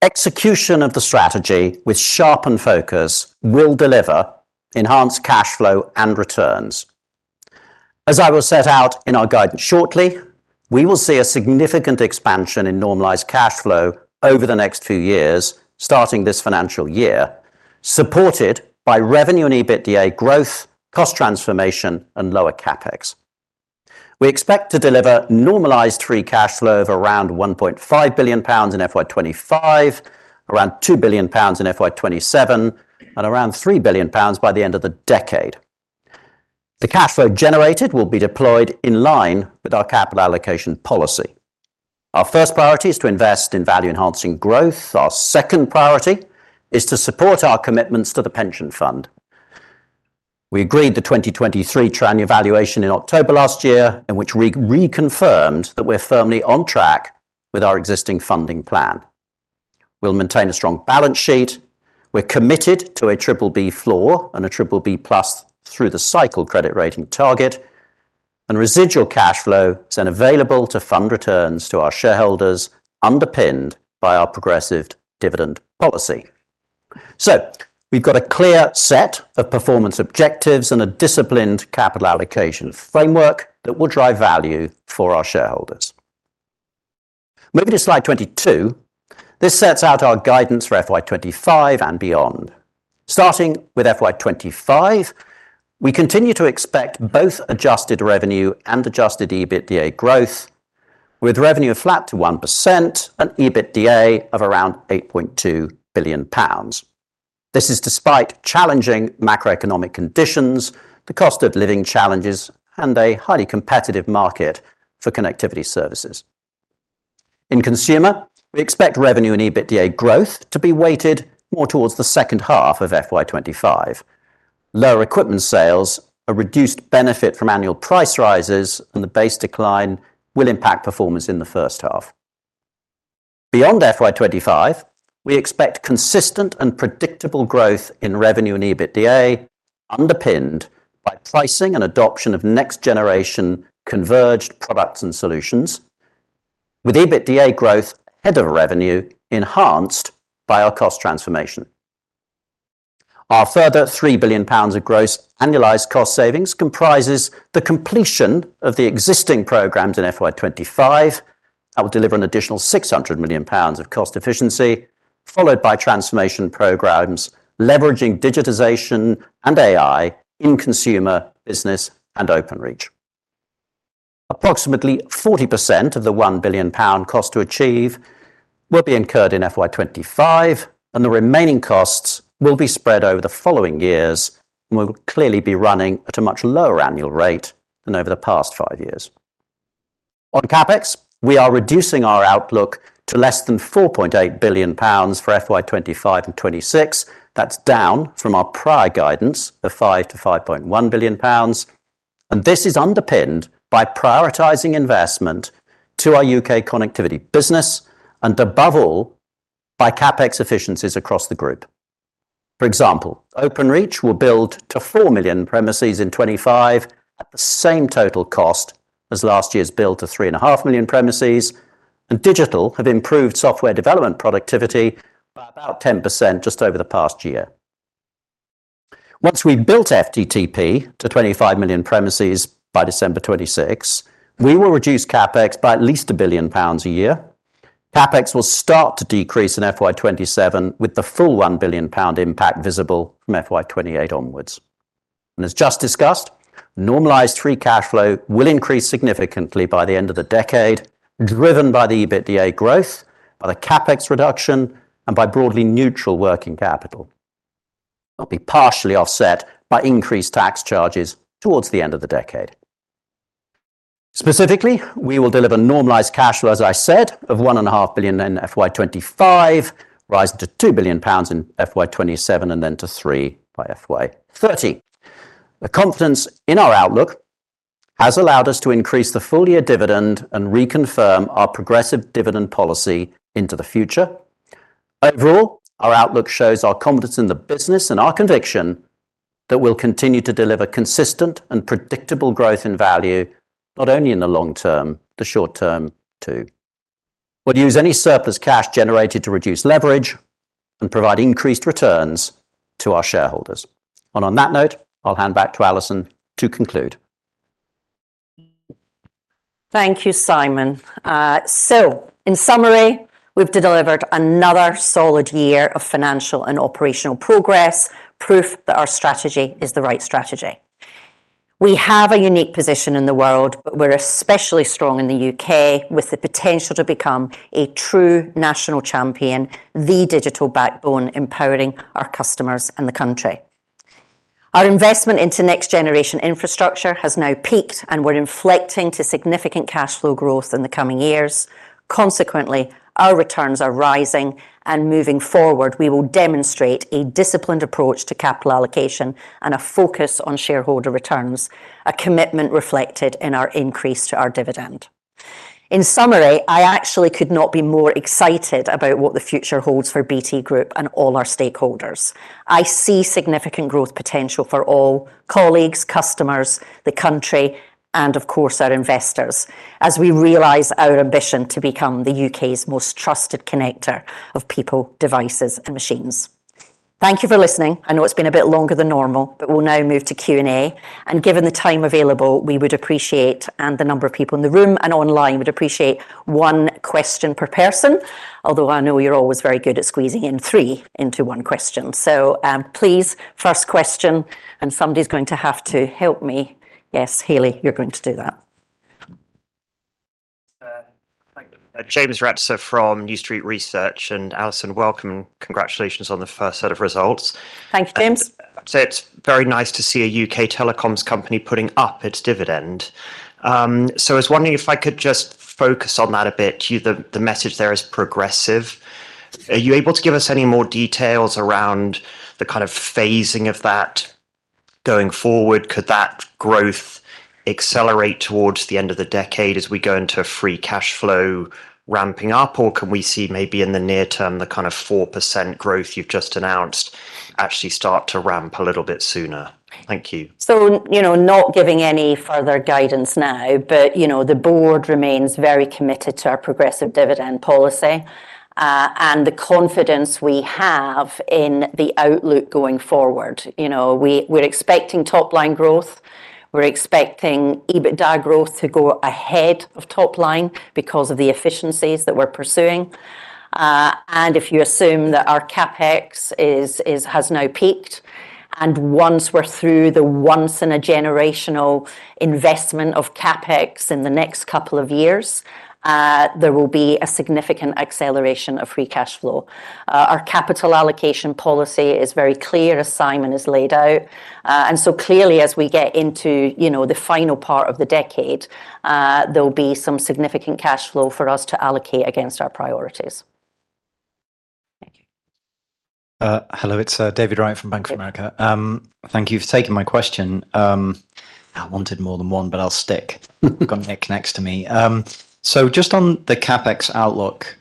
Execution of the strategy with sharpened focus will deliver enhanced cash flow and returns. As I will set out in our guidance shortly, we will see a significant expansion in normalized cash flow over the next two years, starting this financial year, supported by revenue and EBITDA growth, cost transformation, and lower CapEx. We expect to deliver normalized free cash flow of around 1.5 billion pounds in FY 2025, around 2 billion pounds in FY 2027, and around 3 billion pounds by the end of the decade. The cash flow generated will be deployed in line with our capital allocation policy. Our first priority is to invest in value-enhancing growth. Our second priority is to support our commitments to the pension fund. We agreed the 2023 triennial valuation in October last year, in which we reconfirmed that we're firmly on track with our existing funding plan. We'll maintain a strong balance sheet. We're committed to a BBB floor and a BBB+ through-the-cycle credit rating target, and residual cash flow is then available to fund returns to our shareholders, underpinned by our progressive dividend policy. So we've got a clear set of performance objectives and a disciplined capital allocation framework that will drive value for our shareholders. Moving to Slide 22, this sets out our guidance for FY 25 and beyond. Starting with FY 25, we continue to expect both adjusted revenue and adjusted EBITDA growth, with revenue flat to 1% and EBITDA of around 8.2 billion pounds. This is despite challenging macroeconomic conditions, the cost of living challenges, and a highly competitive market for connectivity services. In consumer, we expect revenue and EBITDA growth to be weighted more towards the second half of FY 25. Lower equipment sales, a reduced benefit from annual price rises, and the base decline will impact performance in the first half. Beyond FY 25, we expect consistent and predictable growth in revenue and EBITDA, underpinned by pricing and adoption of next-generation converged products and solutions, with EBITDA growth ahead of revenue enhanced by our cost transformation. Our further 3 billion pounds of gross annualized cost savings comprises the completion of the existing programs in FY 25, that will deliver an additional 600 million pounds of cost efficiency, followed by transformation programs, leveraging digitization and AI in consumer, business, and Openreach. Approximately 40% of the 1 billion pound cost to achieve will be incurred in FY 2025, and the remaining costs will be spread over the following years and will clearly be running at a much lower annual rate than over the past five years. On CapEx, we are reducing our outlook to less than 4.8 billion pounds for FY 2025 and 2026. That's down from our prior guidance of 5 billion-5.1 billion pounds, and this is underpinned by prioritizing investment to our UK connectivity business, and above all, by CapEx efficiencies across the group.... For example, Openreach will build to 4 million premises in 2025 at the same total cost as last year's build to 3.5 million premises, and Digital have improved software development productivity by about 10% just over the past year. Once we've built FTTP to 25 million premises by December 2026, we will reduce CapEx by at least 1 billion pounds a year. CapEx will start to decrease in FY27, with the full 1 billion pound impact visible from FY28 onwards. As just discussed, normalized free cash flow will increase significantly by the end of the decade, driven by the EBITDA growth, by the CapEx reduction, and by broadly neutral working capital. It'll be partially offset by increased tax charges towards the end of the decade. Specifically, we will deliver normalized cash flow, as I said, of 1.5 billion in FY25, rising to 2 billion pounds in FY27, and then to 3 billion by FY30. The confidence in our outlook has allowed us to increase the full-year dividend and reconfirm our progressive dividend policy into the future. Overall, our outlook shows our confidence in the business and our conviction that we'll continue to deliver consistent and predictable growth in value, not only in the long term, the short term, too. We'll use any surplus cash generated to reduce leverage and provide increased returns to our shareholders. On that note, I'll hand back to Allison to conclude. Thank you, Simon. So in summary, we've delivered another solid year of financial and operational progress, proof that our strategy is the right strategy. We have a unique position in the world, but we're especially strong in the U.K., with the potential to become a true national champion, the digital backbone empowering our customers and the country. Our investment into next-generation infrastructure has now peaked, and we're inflecting to significant cashflow growth in the coming years. Consequently, our returns are rising, and moving forward, we will demonstrate a disciplined approach to capital allocation and a focus on shareholder returns, a commitment reflected in our increase to our dividend. In summary, I actually could not be more excited about what the future holds for BT Group and all our stakeholders. I see significant growth potential for all colleagues, customers, the country, and of course, our investors, as we realize our ambition to become the UK's most trusted connector of people, devices, and machines. Thank you for listening. I know it's been a bit longer than normal, but we'll now move to Q&A, and given the time available, we would appreciate, and the number of people in the room and online, would appreciate one question per person. Although I know you're always very good at squeezing in three into one question. So, please, first question, and somebody's going to have to help me. Yes, Hayley, you're going to do that. Thank you. James Ratzer from New Street Research, and Allison, welcome. Congratulations on the first set of results. Thanks, James. So it's very nice to see a UK telecoms company putting up its dividend. So I was wondering if I could just focus on that a bit. The message there is progressive. Are you able to give us any more details around the kind of phasing of that going forward? Could that growth accelerate towards the end of the decade as we go into a free cashflow ramping up, or can we see maybe in the near term, the kind of 4% growth you've just announced, actually start to ramp a little bit sooner? Thank you. So, you know, not giving any further guidance now, but, you know, the board remains very committed to our progressive dividend policy, and the confidence we have in the outlook going forward. You know, we're expecting top-line growth. We're expecting EBITDA growth to go ahead of top line because of the efficiencies that we're pursuing. And if you assume that our CapEx has now peaked, and once we're through the once in a generational investment of CapEx in the next couple of years, there will be a significant acceleration of free cash flow. Our capital allocation policy is very clear, as Simon has laid out, and so clearly, as we get into, you know, the final part of the decade, there'll be some significant cash flow for us to allocate against our priorities. Thank you. Hello, it's David Wright from Bank of America. Yep. Thank you for taking my question. I wanted more than one, but I'll stick. I've got Nick next to me. So just on the CapEx outlook,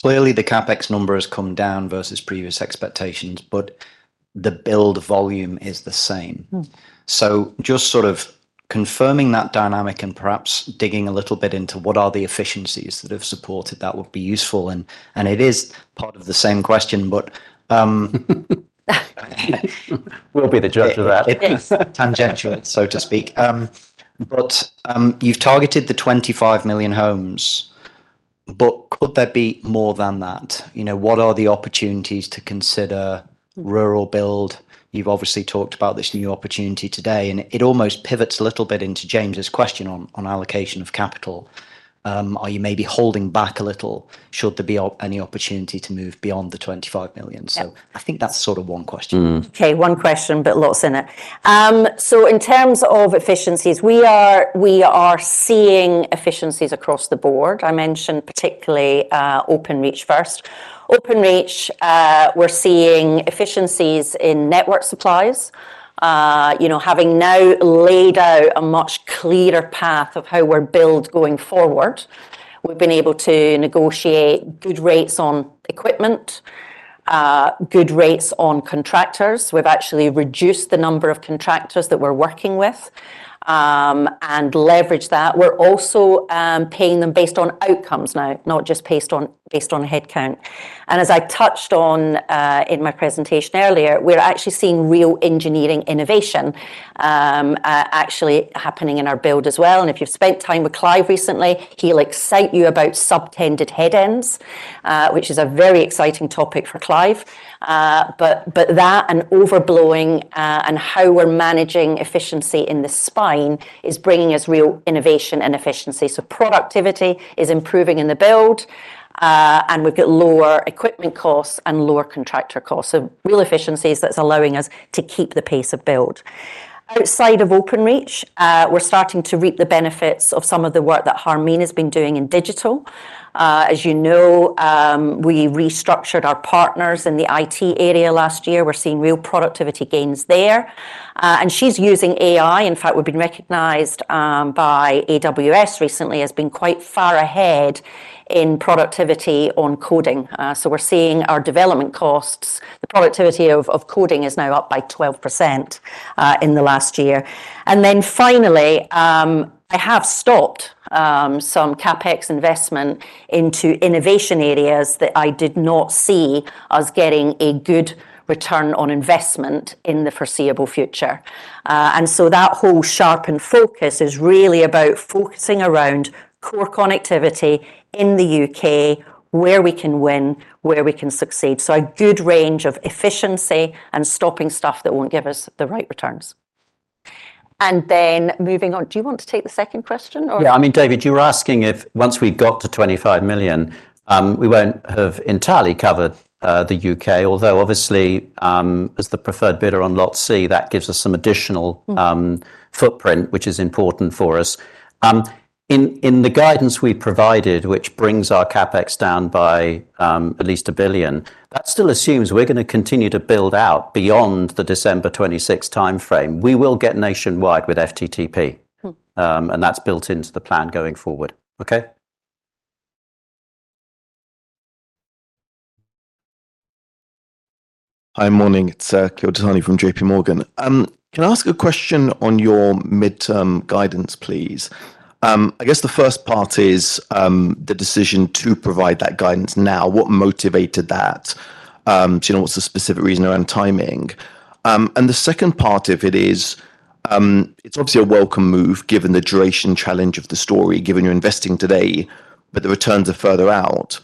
clearly, the CapEx number has come down versus previous expectations, but the build volume is the same. Mm. So just sort of confirming that dynamic and perhaps digging a little bit into what are the efficiencies that have supported that, would be useful. And it is part of the same question, but, We'll be the judge of that. Yes. Tangential, so to speak. But you've targeted the 25 million homes, but could there be more than that? You know, what are the opportunities to consider rural build? You've obviously talked about this new opportunity today, and it almost pivots a little bit into James's question on allocation of capital. Are you maybe holding back a little? Should there be any opportunity to move beyond the 25 million? Yep. I think that's sort of one question. Mm. Okay, one question, but lots in it. So in terms of efficiencies, we are seeing efficiencies across the board. I mentioned particularly Openreach first. Openreach, we're seeing efficiencies in network supplies, you know, having now laid out a much clearer path of how we're building going forward, we've been able to negotiate good rates on equipment, good rates on contractors. We've actually reduced the number of contractors that we're working with, and leveraged that. We're also paying them based on outcomes now, not just based on headcount. And as I touched on in my presentation earlier, we're actually seeing real engineering innovation actually happening in our build as well, and if you've spent time with Clive recently, he'll excite you about subtended headends, which is a very exciting topic for Clive. But that and overbuilding, and how we're managing efficiency in the spine is bringing us real innovation and efficiency. So productivity is improving in the build, and we've got lower equipment costs and lower contractor costs, so real efficiencies that's allowing us to keep the pace of build. Outside of Openreach, we're starting to reap the benefits of some of the work that Harmeen has been doing in digital. As you know, we restructured our partners in the IT area last year. We're seeing real productivity gains there. And she's using AI, in fact, we've been recognized by AWS recently, as being quite far ahead in productivity on coding. So we're seeing our development costs, the productivity of coding is now up by 12%, in the last year. And then finally, I have stopped some CapEx investment into innovation areas that I did not see us getting a good return on investment in the foreseeable future. And so that whole sharpened focus is really about focusing around core connectivity in the UK, where we can win, where we can succeed. So a good range of efficiency and stopping stuff that won't give us the right returns. And then moving on, do you want to take the second question or? Yeah, I mean, David, you were asking if once we got to 25 million, we won't have entirely covered the UK, although obviously, as the preferred bidder on Lot C, that gives us some additional- Mm... footprint, which is important for us. In the guidance we provided, which brings our CapEx down by at least 1 billion, that still assumes we're gonna continue to build out beyond the December 26th timeframe. We will get nationwide with FTTP. Mm. That's built into the plan going forward. Okay? Hi, morning, it's Akhil Dattani from JPMorgan. Can I ask a question on your midterm guidance, please? I guess the first part is, the decision to provide that guidance now, what motivated that? Do you know, what's the specific reason around timing? And the second part of it is, it's obviously a welcome move, given the duration challenge of the story, given you're investing today, but the returns are further out.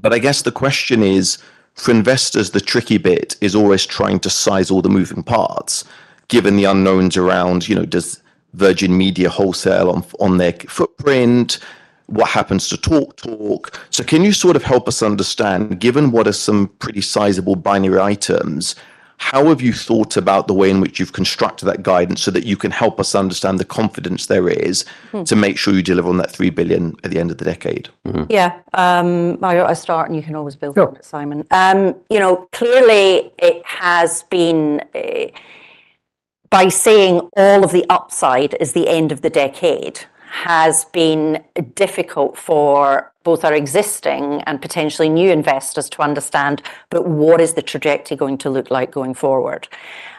But I guess the question is, for investors, the tricky bit is always trying to size all the moving parts, given the unknowns around, you know, does Virgin Media wholesale on their footprint? What happens to TalkTalk? So can you sort of help us understand, given what are some pretty sizable binary items, how have you thought about the way in which you've constructed that guidance so that you can help us understand the confidence there is? Mm... to make sure you deliver on that 3 billion at the end of the decade? Mm-hmm. Yeah. I start, and you can always build on it, Simon. Sure. You know, clearly, it has been by saying all of the upside is the end of the decade, has been difficult for both our existing and potentially new investors to understand, but what is the trajectory going to look like going forward?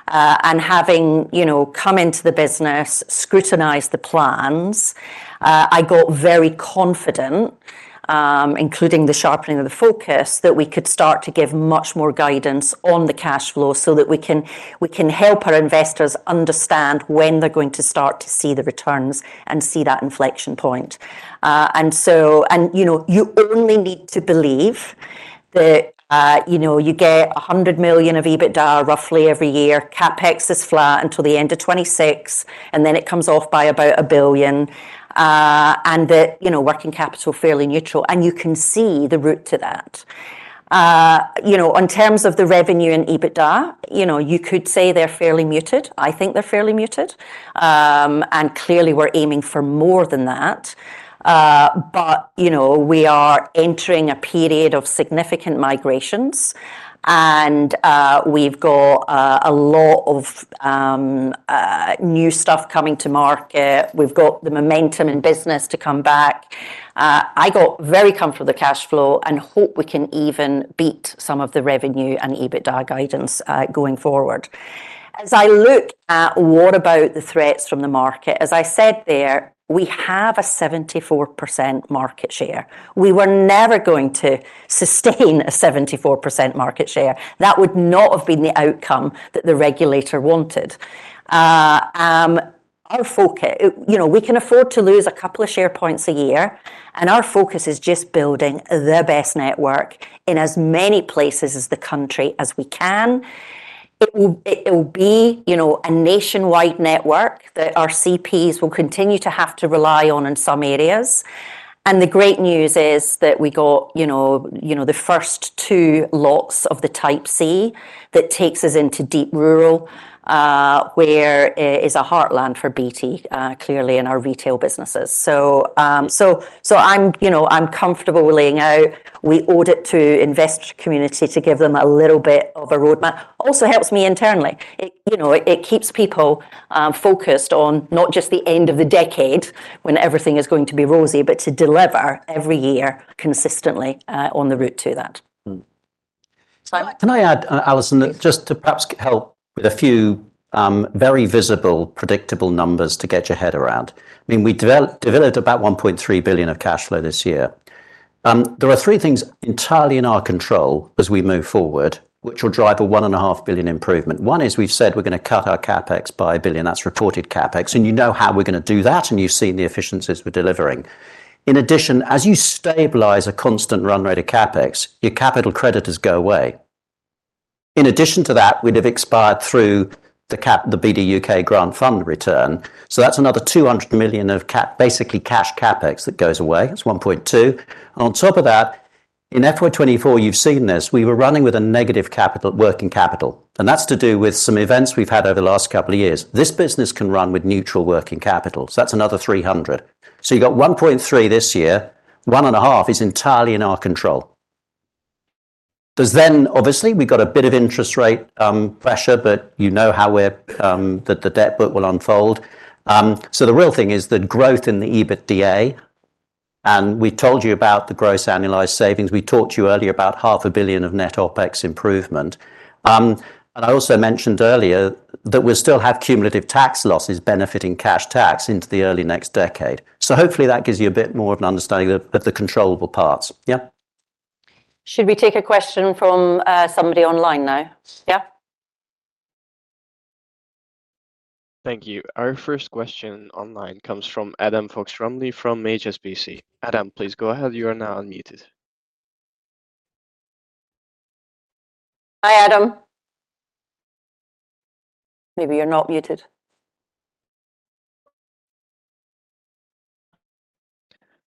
And having, you know, come into the business, scrutinize the plans, I got very confident, including the sharpening of the focus, that we could start to give much more guidance on the cash flow so that we can, we can help our investors understand when they're going to start to see the returns and see that inflection point. And, you know, you only need to believe that, you know, you get 100 million of EBITDA roughly every year, CapEx is flat until the end of 2026, and then it comes off by about 1 billion, and the, you know, working capital, fairly neutral, and you can see the route to that. You know, in terms of the revenue and EBITDA, you know, you could say they're fairly muted. I think they're fairly muted. And clearly, we're aiming for more than that. But, you know, we are entering a period of significant migrations, and we've got a lot of new stuff coming to market. We've got the momentum in business to come back. I got very comfortable with the cash flow and hope we can even beat some of the revenue and EBITDA guidance, going forward. As I look at what about the threats from the market, as I said there, we have a 74% market share. We were never going to sustain a 74% market share. That would not have been the outcome that the regulator wanted. You know, we can afford to lose a couple of share points a year, and our focus is just building the best network in as many places as the country as we can. It will, it will be, you know, a nationwide network that our CPs will continue to have to rely on in some areas. The great news is that we got, you know, you know, the first 2 lots of the Type C that takes us into deep rural, where is a heartland for BT, clearly in our retail businesses. So, so, so I'm, you know, I'm comfortable laying out. We owe it to investor community to give them a little bit of a roadmap. Also helps me internally. It, you know, it, it keeps people focused on not just the end of the decade when everything is going to be rosy, but to deliver every year consistently on the route to that. Mm. So I- Can I add, Allison- Please. Just to perhaps help with a few, very visible, predictable numbers to get your head around. I mean, we developed about 1.3 billion of cash flow this year. There are three things entirely in our control as we move forward, which will drive a 1.5 billion improvement. One is we've said we're gonna cut our CapEx by 1 billion. That's reported CapEx, and you know how we're gonna do that, and you've seen the efficiencies we're delivering. In addition, as you stabilize a constant run rate of CapEx, your capital creditors go away. In addition to that, we'd have expired through the BDUK grant fund return, so that's another 200 million of cap, basically cash CapEx that goes away. That's 1.2 billion. And on top of that, in FY 2024, you've seen this, we were running with a negative capital, working capital, and that's to do with some events we've had over the last couple of years. This business can run with neutral working capital, so that's another 300 million. So you've got 1.3 billion this year. 1.5 billion is entirely in our control. 'Cause then, obviously, we've got a bit of interest rate pressure, but you know how we're, that the debt book will unfold. So the real thing is the growth in the EBITDA, and we told you about the gross annualized savings. We talked to you earlier about 500 million of net OpEx improvement. And I also mentioned earlier that we still have cumulative tax losses benefiting cash tax into the early next decade. Hopefully that gives you a bit more of an understanding of the controllable parts. Yeah? Should we take a question from somebody online now? Yeah. Thank you. Our first question online comes from Adam Fox-Rumley, from HSBC. Adam, please go ahead. You are now unmuted. Hi, Adam. Maybe you're not muted.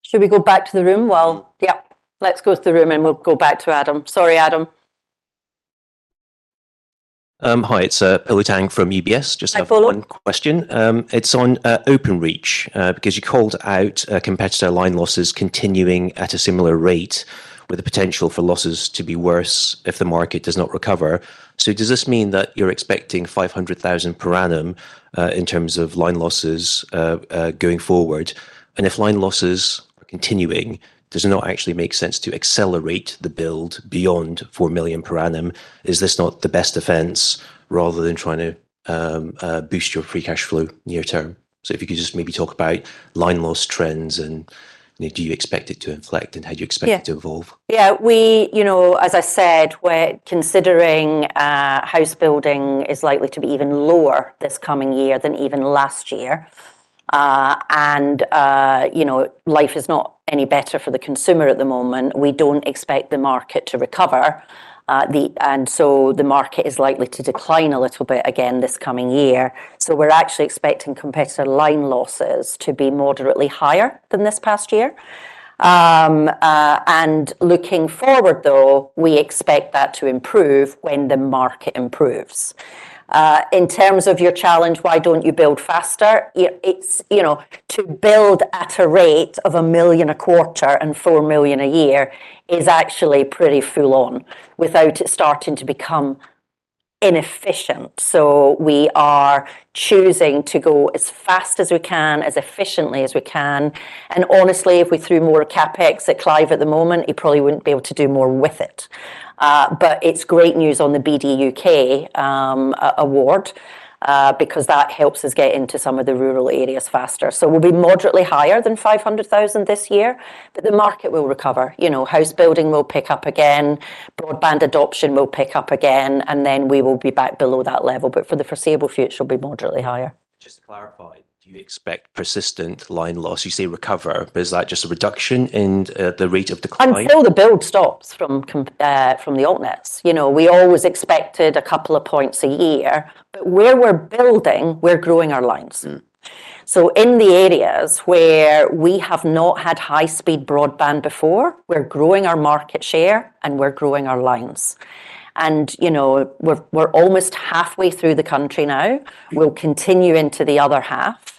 Should we go back to the room while... Yeah, let's go to the room, and we'll go back to Adam. Sorry, Adam. Hi, it's Billy Tang from UBS. Hi, Paul. Just have one question. It's on Openreach, because you called out competitor line losses continuing at a similar rate, with the potential for losses to be worse if the market does not recover. So does this mean that you're expecting 500,000 per annum in terms of line losses going forward? And if line losses are continuing, does it not actually make sense to accelerate the build beyond 4 million per annum? Is this not the best defense, rather than trying to boost your free cash flow near term? So if you could just maybe talk about line loss trends, and, you know, do you expect it to inflect, and how do you expect- Yeah... it to evolve? Yeah. We, you know, as I said, we're considering, house building is likely to be even lower this coming year than even last year. And, you know, life is not any better for the consumer at the moment. We don't expect the market to recover. And so the market is likely to decline a little bit again this coming year. So we're actually expecting competitor line losses to be moderately higher than this past year. And looking forward, though, we expect that to improve when the market improves. In terms of your challenge, why don't you build faster? It's, you know, to build at a rate of 1 million a quarter and 4 million a year is actually pretty full on without it starting to become inefficient. So we are choosing to go as fast as we can, as efficiently as we can, and honestly, if we threw more CapEx at Clive at the moment, he probably wouldn't be able to do more with it. But it's great news on the BDUK award, because that helps us get into some of the rural areas faster. So we'll be moderately higher than 500,000 this year, but the market will recover. You know, house building will pick up again, broadband adoption will pick up again, and then we will be back below that level, but for the foreseeable future, it'll be moderately higher. Just to clarify, do you expect persistent line loss? You say recover, but is that just a reduction in the rate of decline? Until the build stops from the alt nets. You know, we always expected a couple of points a year. But where we're building, we're growing our lines. Mm. So in the areas where we have not had high-speed broadband before, we're growing our market share, and we're growing our lines. And, you know, we're almost halfway through the country now. We'll continue into the other half,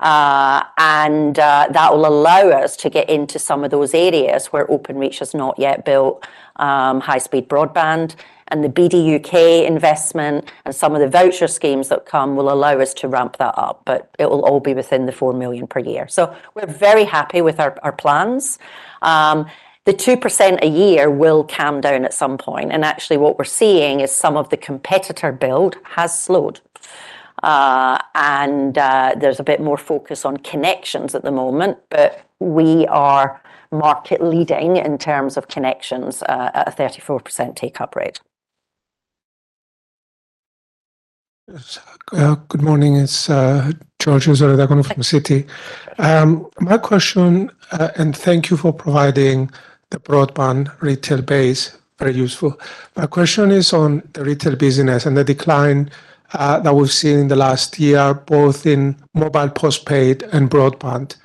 and that will allow us to get into some of those areas where Openreach has not yet built high-speed broadband. And the BDUK investment and some of the voucher schemes that come will allow us to ramp that up, but it will all be within the 4 million per year. So we're very happy with our plans. The 2% a year will calm down at some point, and actually, what we're seeing is some of the competitor build has slowed. There's a bit more focus on connections at the moment, but we are market leading in terms of connections at a 34% take-up rate. Good morning. It's George Sheridan- Hi... from Citi. My question, and thank you for providing the broadband retail base, very useful. My question is on the retail business and the decline that we've seen in the last year, both in mobile post-paid and broadband.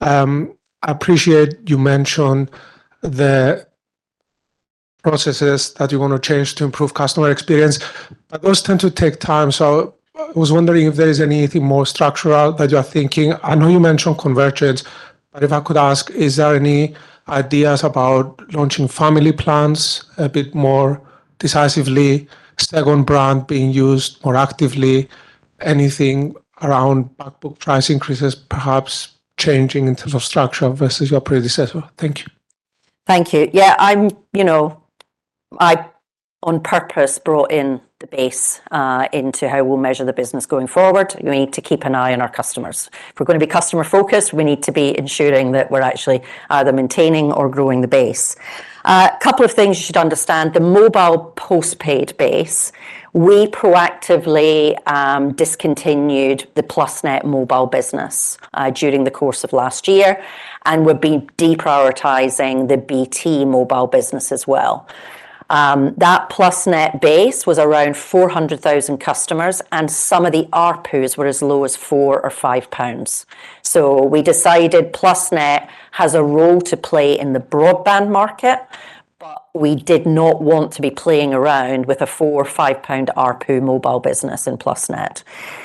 I appreciate you mentioned the processes that you want to change to improve customer experience, but those tend to take time. So I was wondering if there is anything more structural that you are thinking. I know you mentioned convergence, but if I could ask, is there any ideas about launching family plans a bit more decisively, second brand being used more actively? Anything around back book price increases, perhaps changing in terms of structure versus your predecessor? Thank you. Thank you. Yeah, I'm, you know, I, on purpose, brought in the base into how we'll measure the business going forward. We need to keep an eye on our customers. If we're gonna be customer-focused, we need to be ensuring that we're actually either maintaining or growing the base. A couple of things you should understand, the mobile postpaid base, we proactively discontinued the Plusnet Mobile business during the course of last year, and we've been deprioritizing the BT Mobile business as well. That Plusnet base was around 400,000 customers, and some of the ARPUs were as low as 4 or 5 pounds. So we decided Plusnet has a role to play in the broadband market, but we did not want to be playing around with a 4 or 5-pound ARPU mobile business in Plusnet.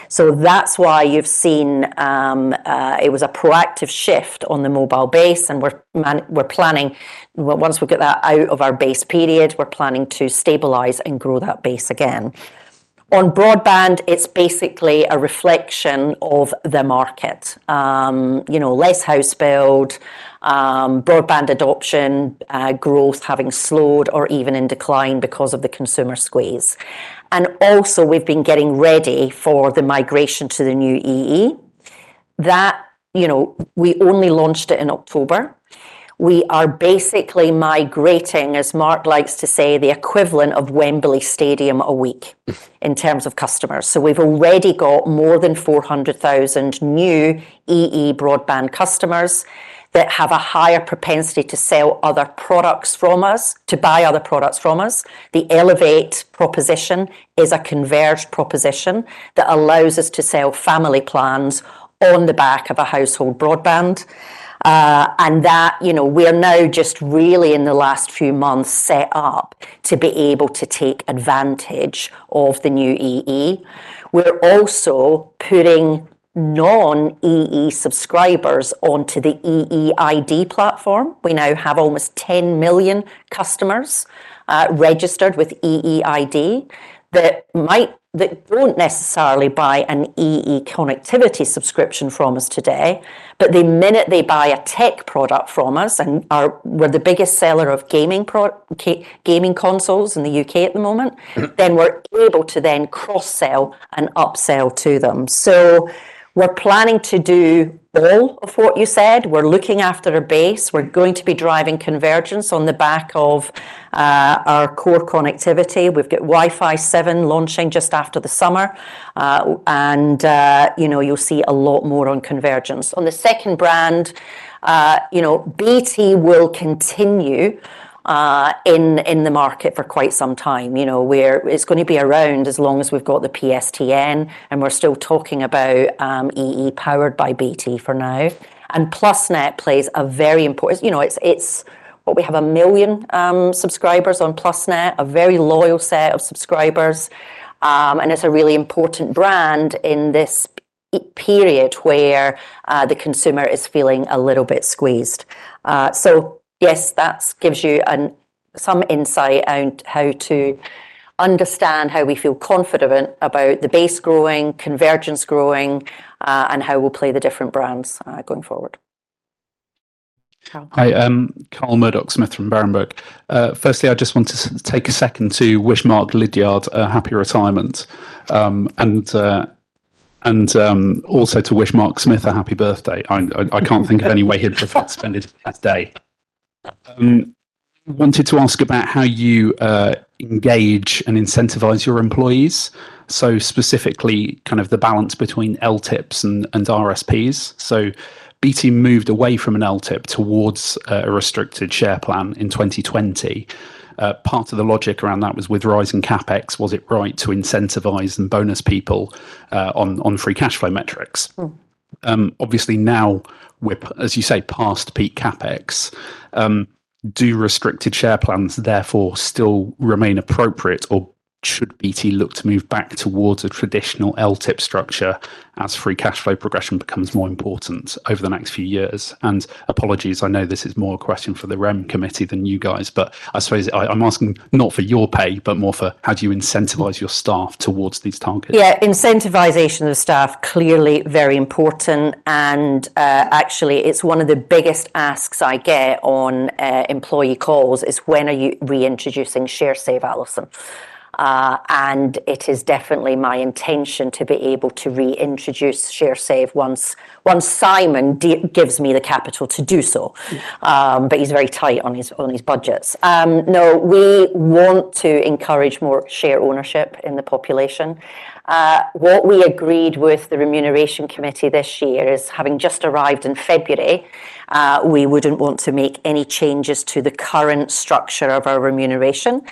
So that's why you've seen, it was a proactive shift on the mobile base, and we're planning. Once we get that out of our base period, we're planning to stabilize and grow that base again. On broadband, it's basically a reflection of the market. You know, less house build, broadband adoption, growth having slowed or even in decline because of the consumer squeeze. And also, we've been getting ready for the migration to the New EE. That, you know, we only launched it in October. We are basically migrating, as Mark likes to say, the equivalent of Wembley Stadium a week in terms of customers. So we've already got more than 400,000 New EE broadband customers that have a higher propensity to sell other products from us, to buy other products from us. The Elevate proposition is a converged proposition that allows us to sell family plans on the back of a household broadband. And that, you know, we are now just really, in the last few months, set up to be able to take advantage of the new EE. We're also putting non-EE subscribers onto the EE ID platform. We now have almost 10 million customers registered with EE ID, that don't necessarily buy an EE connectivity subscription from us today, but the minute they buy a tech product from us, we're the biggest seller of gaming consoles in the UK at the moment, then we're able to then cross-sell and upsell to them. So we're planning to do all of what you said. We're looking after our base. We're going to be driving convergence on the back of our core connectivity. We've got Wi-Fi 7 launching just after the summer. You know, you'll see a lot more on convergence. On the second brand, you know, BT will continue in the market for quite some time. You know, it's gonna be around as long as we've got the PSTN, and we're still talking about EE powered by BT for now. And Plusnet plays a very important role. You know, it's a really important brand in this economic period where the consumer is feeling a little bit squeezed. So yes, that gives you some insight on how to understand how we feel confident about the base growing, convergence growing, and how we'll play the different brands going forward. Carl? Hi, Carl Sheridan from Berenberg. Firstly, I just want to take a second to wish Mark Sheridan a happy retirement, and also, to wish Mark Smith a happy birthday. I can't think of any way he'd prefer to spend his last day. Wanted to ask about how you engage and incentivize your employees. So specifically, kind of the balance between LTIPs and RSPs. So BT moved away from an LTIP towards a restricted share plan in 2020. Part of the logic around that was with rising CapEx, was it right to incentivize and bonus people on free cash flow metrics? Mm. Obviously, now, we're, as you say, past peak CapEx. Do restricted share plans therefore still remain appropriate, or should BT look to move back towards a traditional LTIP structure as free cash flow progression becomes more important over the next few years? And apologies, I know this is more a question for the REM committee than you guys, but I suppose I, I'm asking not for your pay, but more for how do you incentivize your staff towards these targets? Yeah, incentivization of staff, clearly very important, and actually, it's one of the biggest asks I get on employee calls, is, "When are you reintroducing Sharesave, Allison?" And it is definitely my intention to be able to reintroduce Sharesave once Simon decides to give me the capital to do so. But he's very tight on his budgets. No, we want to encourage more share ownership in the population. What we agreed with the Remuneration Committee this year is, having just arrived in February, we wouldn't want to make any changes to the current structure of our remuneration,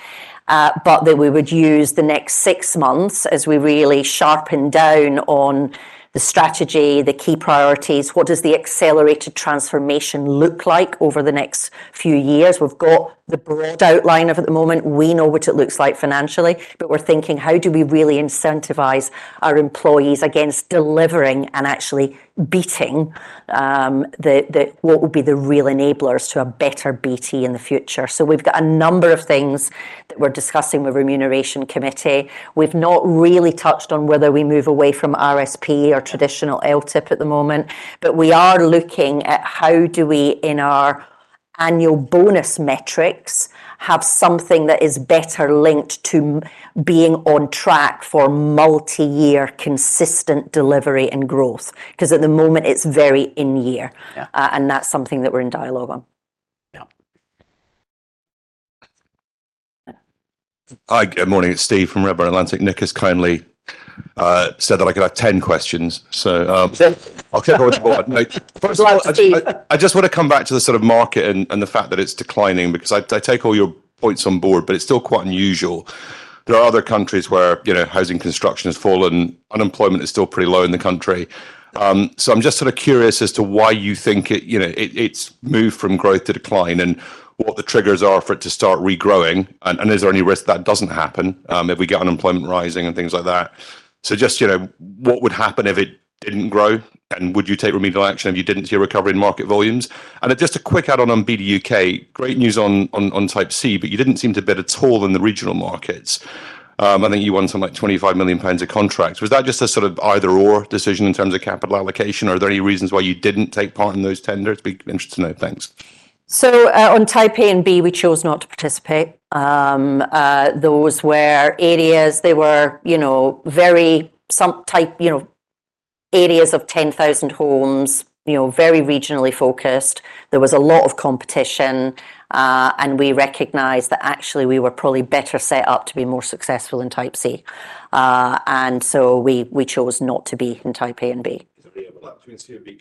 but that we would use the next six months as we really sharpen down on the strategy, the key priorities, what does the accelerated transformation look like over the next few years? We've got the broad outline of at the moment, we know what it looks like financially, but we're thinking, how do we really incentivize our employees against delivering and actually beating what would be the real enablers to a better BT in the future? So we've got a number of things that we're discussing with remuneration committee. We've not really touched on whether we move away from RSP or traditional LTIP at the moment, but we are looking at how do we, in our annual bonus metrics, have something that is better linked to being on track for multi-year consistent delivery and growth. Because at the moment, it's very in year. Yeah. That's something that we're in dialogue on. Yeah. Hi, good morning, it's Steve from Redburn Atlantic. Nick has kindly said that I could have 10 questions, so, I'll keep it to one. Glad to Steve. I just wanna come back to the sort of market and the fact that it's declining, because I take all your points on board, but it's still quite unusual. There are other countries where, you know, housing construction has fallen, unemployment is still pretty low in the country. So I'm just sort of curious as to why you think it, you know, it's moved from growth to decline, and what the triggers are for it to start regrowing, and is there any risk that doesn't happen, if we get unemployment rising and things like that? So just, you know, what would happen if it didn't grow, and would you take remedial action if you didn't see a recovery in market volumes? And just a quick add-on on BDUK. Great news on Type C, but you didn't seem to bid at all in the regional markets. I think you won some, like, 25 million pounds of contracts. Was that just a sort of either/or decision in terms of capital allocation, or are there any reasons why you didn't take part in those tenders? Be interesting to know. Thanks. So, on Type A and B, we chose not to participate. Those were areas, they were, you know, very... Some type, you know, areas of 10,000 homes, you know, very regionally focused. There was a lot of competition, and we recognized that actually we were probably better set up to be more successful in Type C. And so we chose not to be in Type A and B. Is there any overlap between C and B?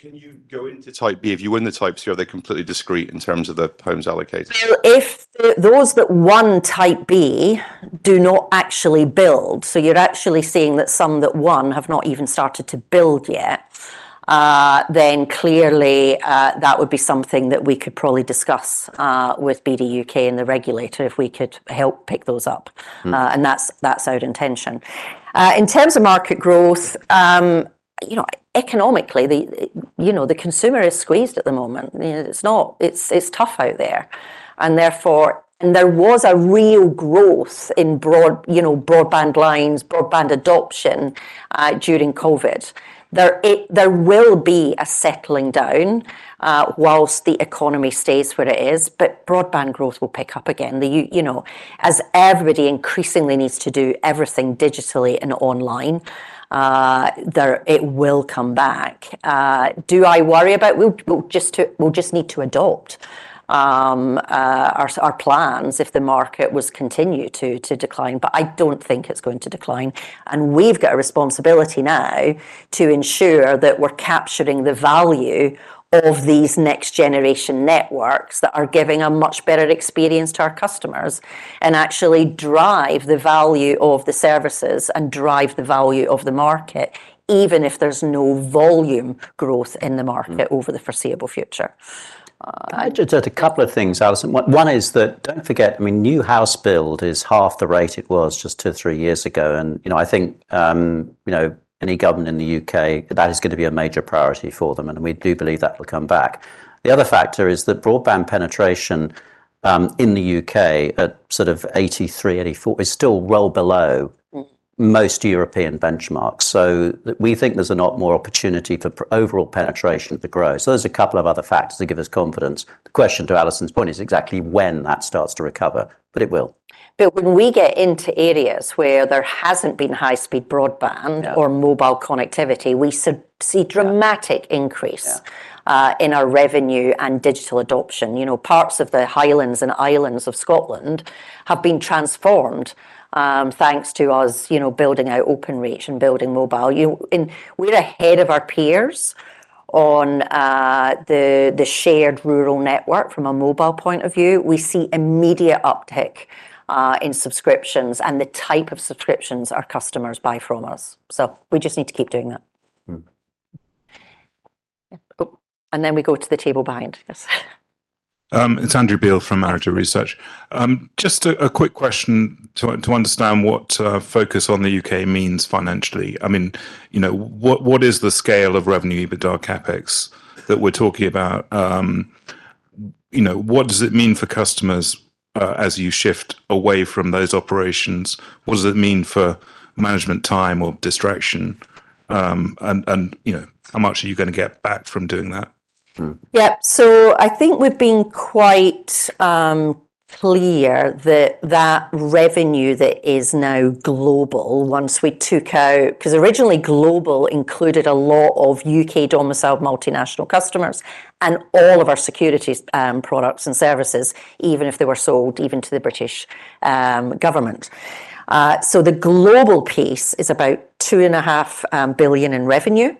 Can you go into Type B if you win the Type C, or are they completely discrete in terms of the homes allocated? So if those that won Type B do not actually build, so you're actually seeing that some that won have not even started to build yet, then clearly, that would be something that we could probably discuss with BDUK and the regulator, if we could help pick those up. Mm. And that's, that's our intention. In terms of market growth, you know, economically, the, you know, the consumer is squeezed at the moment. You know, it's not, it's, it's tough out there. And therefore, there was a real growth in broad, you know, broadband lines, broadband adoption, during COVID. There will be a settling down, whilst the economy stays where it is, but broadband growth will pick up again. You know, as everybody increasingly needs to do everything digitally and online, there, it will come back. Do I worry about... We'll just need to adopt, our plans if the market was continue to, to decline, but I don't think it's going to decline. We've got a responsibility now to ensure that we're capturing the value of these next-generation networks that are giving a much better experience to our customers, and actually drive the value of the services and drive the value of the market, even if there's no volume growth in the market- Mm... over the foreseeable future. Just, just a couple of things, Allison. One, one is that don't forget, I mean, new house build is half the rate it was just 2-3 years ago, and, you know, I think, you know, any government in the UK, that is gonna be a major priority for them, and we do believe that will come back. The other factor is that broadband penetration, in the UK, at sort of 83-84, is still well below- Mm... most European benchmarks. So we think there's a lot more opportunity for overall penetration to grow. So there's a couple of other factors that give us confidence. The question, to Allison's point, is exactly when that starts to recover, but it will. But when we get into areas where there hasn't been high-speed broadband. Yeah... or mobile connectivity, we see dramatic increase- Yeah... in our revenue and digital adoption. You know, parts of the Highlands and Islands of Scotland have been transformed, thanks to us, you know, building out Openreach and building mobile. And we're ahead of our peers on the shared rural network from a mobile point of view. We see immediate uptick in subscriptions and the type of subscriptions our customers buy from us. So we just need to keep doing that. Mm. Yeah. Oh, and then we go to the table behind. Yes. It's Andrew Beale from Marita Research. Just a quick question to understand what focus on the UK means financially. I mean, you know, what is the scale of revenue, EBITDA, CapEx, that we're talking about? You know, what does it mean for customers as you shift away from those operations? What does it mean for management time or distraction? And, you know, how much are you gonna get back from doing that? Mm. Yeah. So I think we've been quite clear that that revenue that is now global, once we took out... 'Cause originally, global included a lot of UK-domiciled multinational customers and all of our securities products and services, even if they were sold even to the British government. So the global piece is about 2.5 billion in revenue...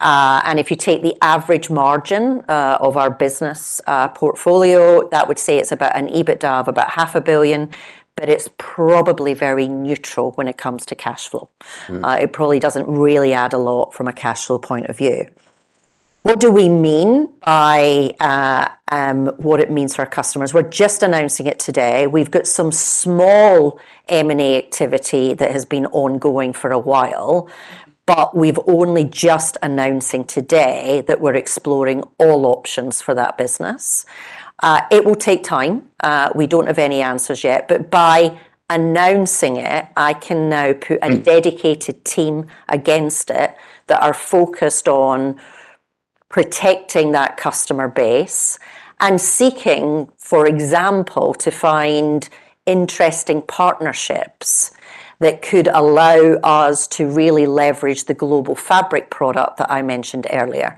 and if you take the average margin of our business portfolio, that would say it's about an EBITDA of about 0.5 billion, but it's probably very neutral when it comes to cash flow. Mm. It probably doesn't really add a lot from a cash flow point of view. What do we mean by, what it means for our customers? We're just announcing it today. We've got some small M&A activity that has been ongoing for a while, but we've only just announcing today that we're exploring all options for that business. It will take time. We don't have any answers yet, but by announcing it, I can now put- Mm... a dedicated team against it that are focused on protecting that customer base and seeking, for example, to find interesting partnerships that could allow us to really leverage the global fabric product that I mentioned earlier.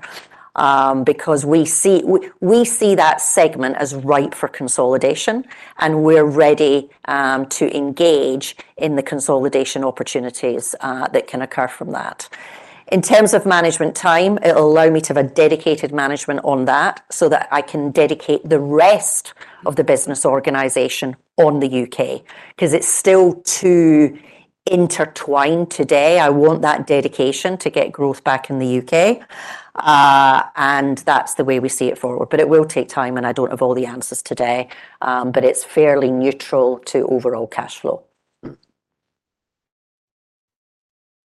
Because we see, we see that segment as ripe for consolidation, and we're ready to engage in the consolidation opportunities that can occur from that. In terms of management time, it'll allow me to have a dedicated management on that so that I can dedicate the rest of the business organization on the UK, 'cause it's still too intertwined today. I want that dedication to get growth back in the UK. And that's the way we see it forward. But it will take time, and I don't have all the answers today. But it's fairly neutral to overall cash flow.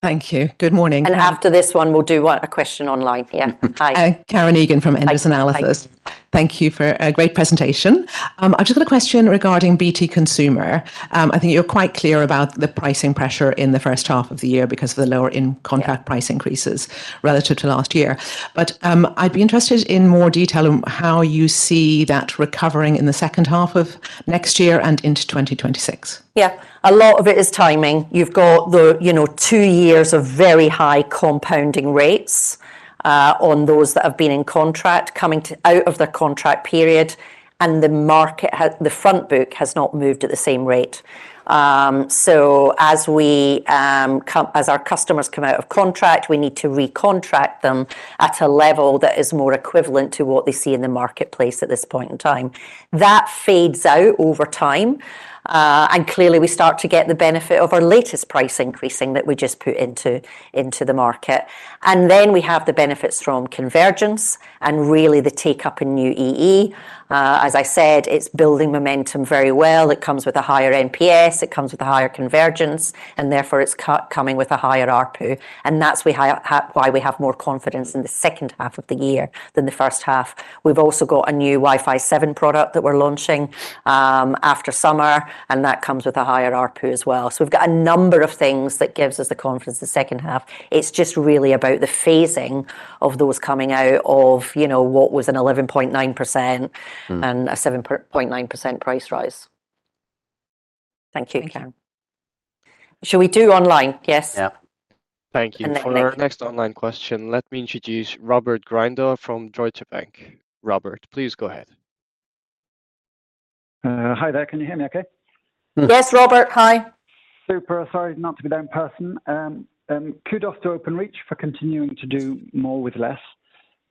Thank you. Good morning. After this one, we'll do what? A question online. Yeah. Hi. Karen Egan from Enders Analysis. Hi. Thank you for a great presentation. I've just got a question regarding BT Consumer. I think you're quite clear about the pricing pressure in the first half of the year because of the lower in-contract price increases relative to last year. But, I'd be interested in more detail on how you see that recovering in the second half of next year and into 2026. Yeah. A lot of it is timing. You've got the, you know, two years of very high compounding rates on those that have been in contract, coming out of the contract period, and the market has... the front book has not moved at the same rate. So as we come, as our customers come out of contract, we need to recontract them at a level that is more equivalent to what they see in the marketplace at this point in time. That fades out over time, and clearly, we start to get the benefit of our latest price increasing that we just put into, into the market. And then we have the benefits from convergence and really the take-up in New EE. As I said, it's building momentum very well. It comes with a higher NPS, it comes with a higher convergence, and therefore, it's coming with a higher ARPU. And that's why we have more confidence in the second half of the year than the first half. We've also got a new Wi-Fi 7 product that we're launching after summer, and that comes with a higher ARPU as well. So we've got a number of things that gives us the confidence the second half. It's just really about the phasing of those coming out of, you know, what was an 11.9%. Mm... and a 7.9% price rise. Thank you, Karen. Thank you. Shall we do online? Yes. Yeah. Thank you. And Nick, next. For our next online question, let me introduce Robert Grindle from Deutsche Bank. Robert, please go ahead. Hi there. Can you hear me okay? Yes, Robert. Hi. Super. Sorry not to be there in person. Kudos to Openreach for continuing to do more with less.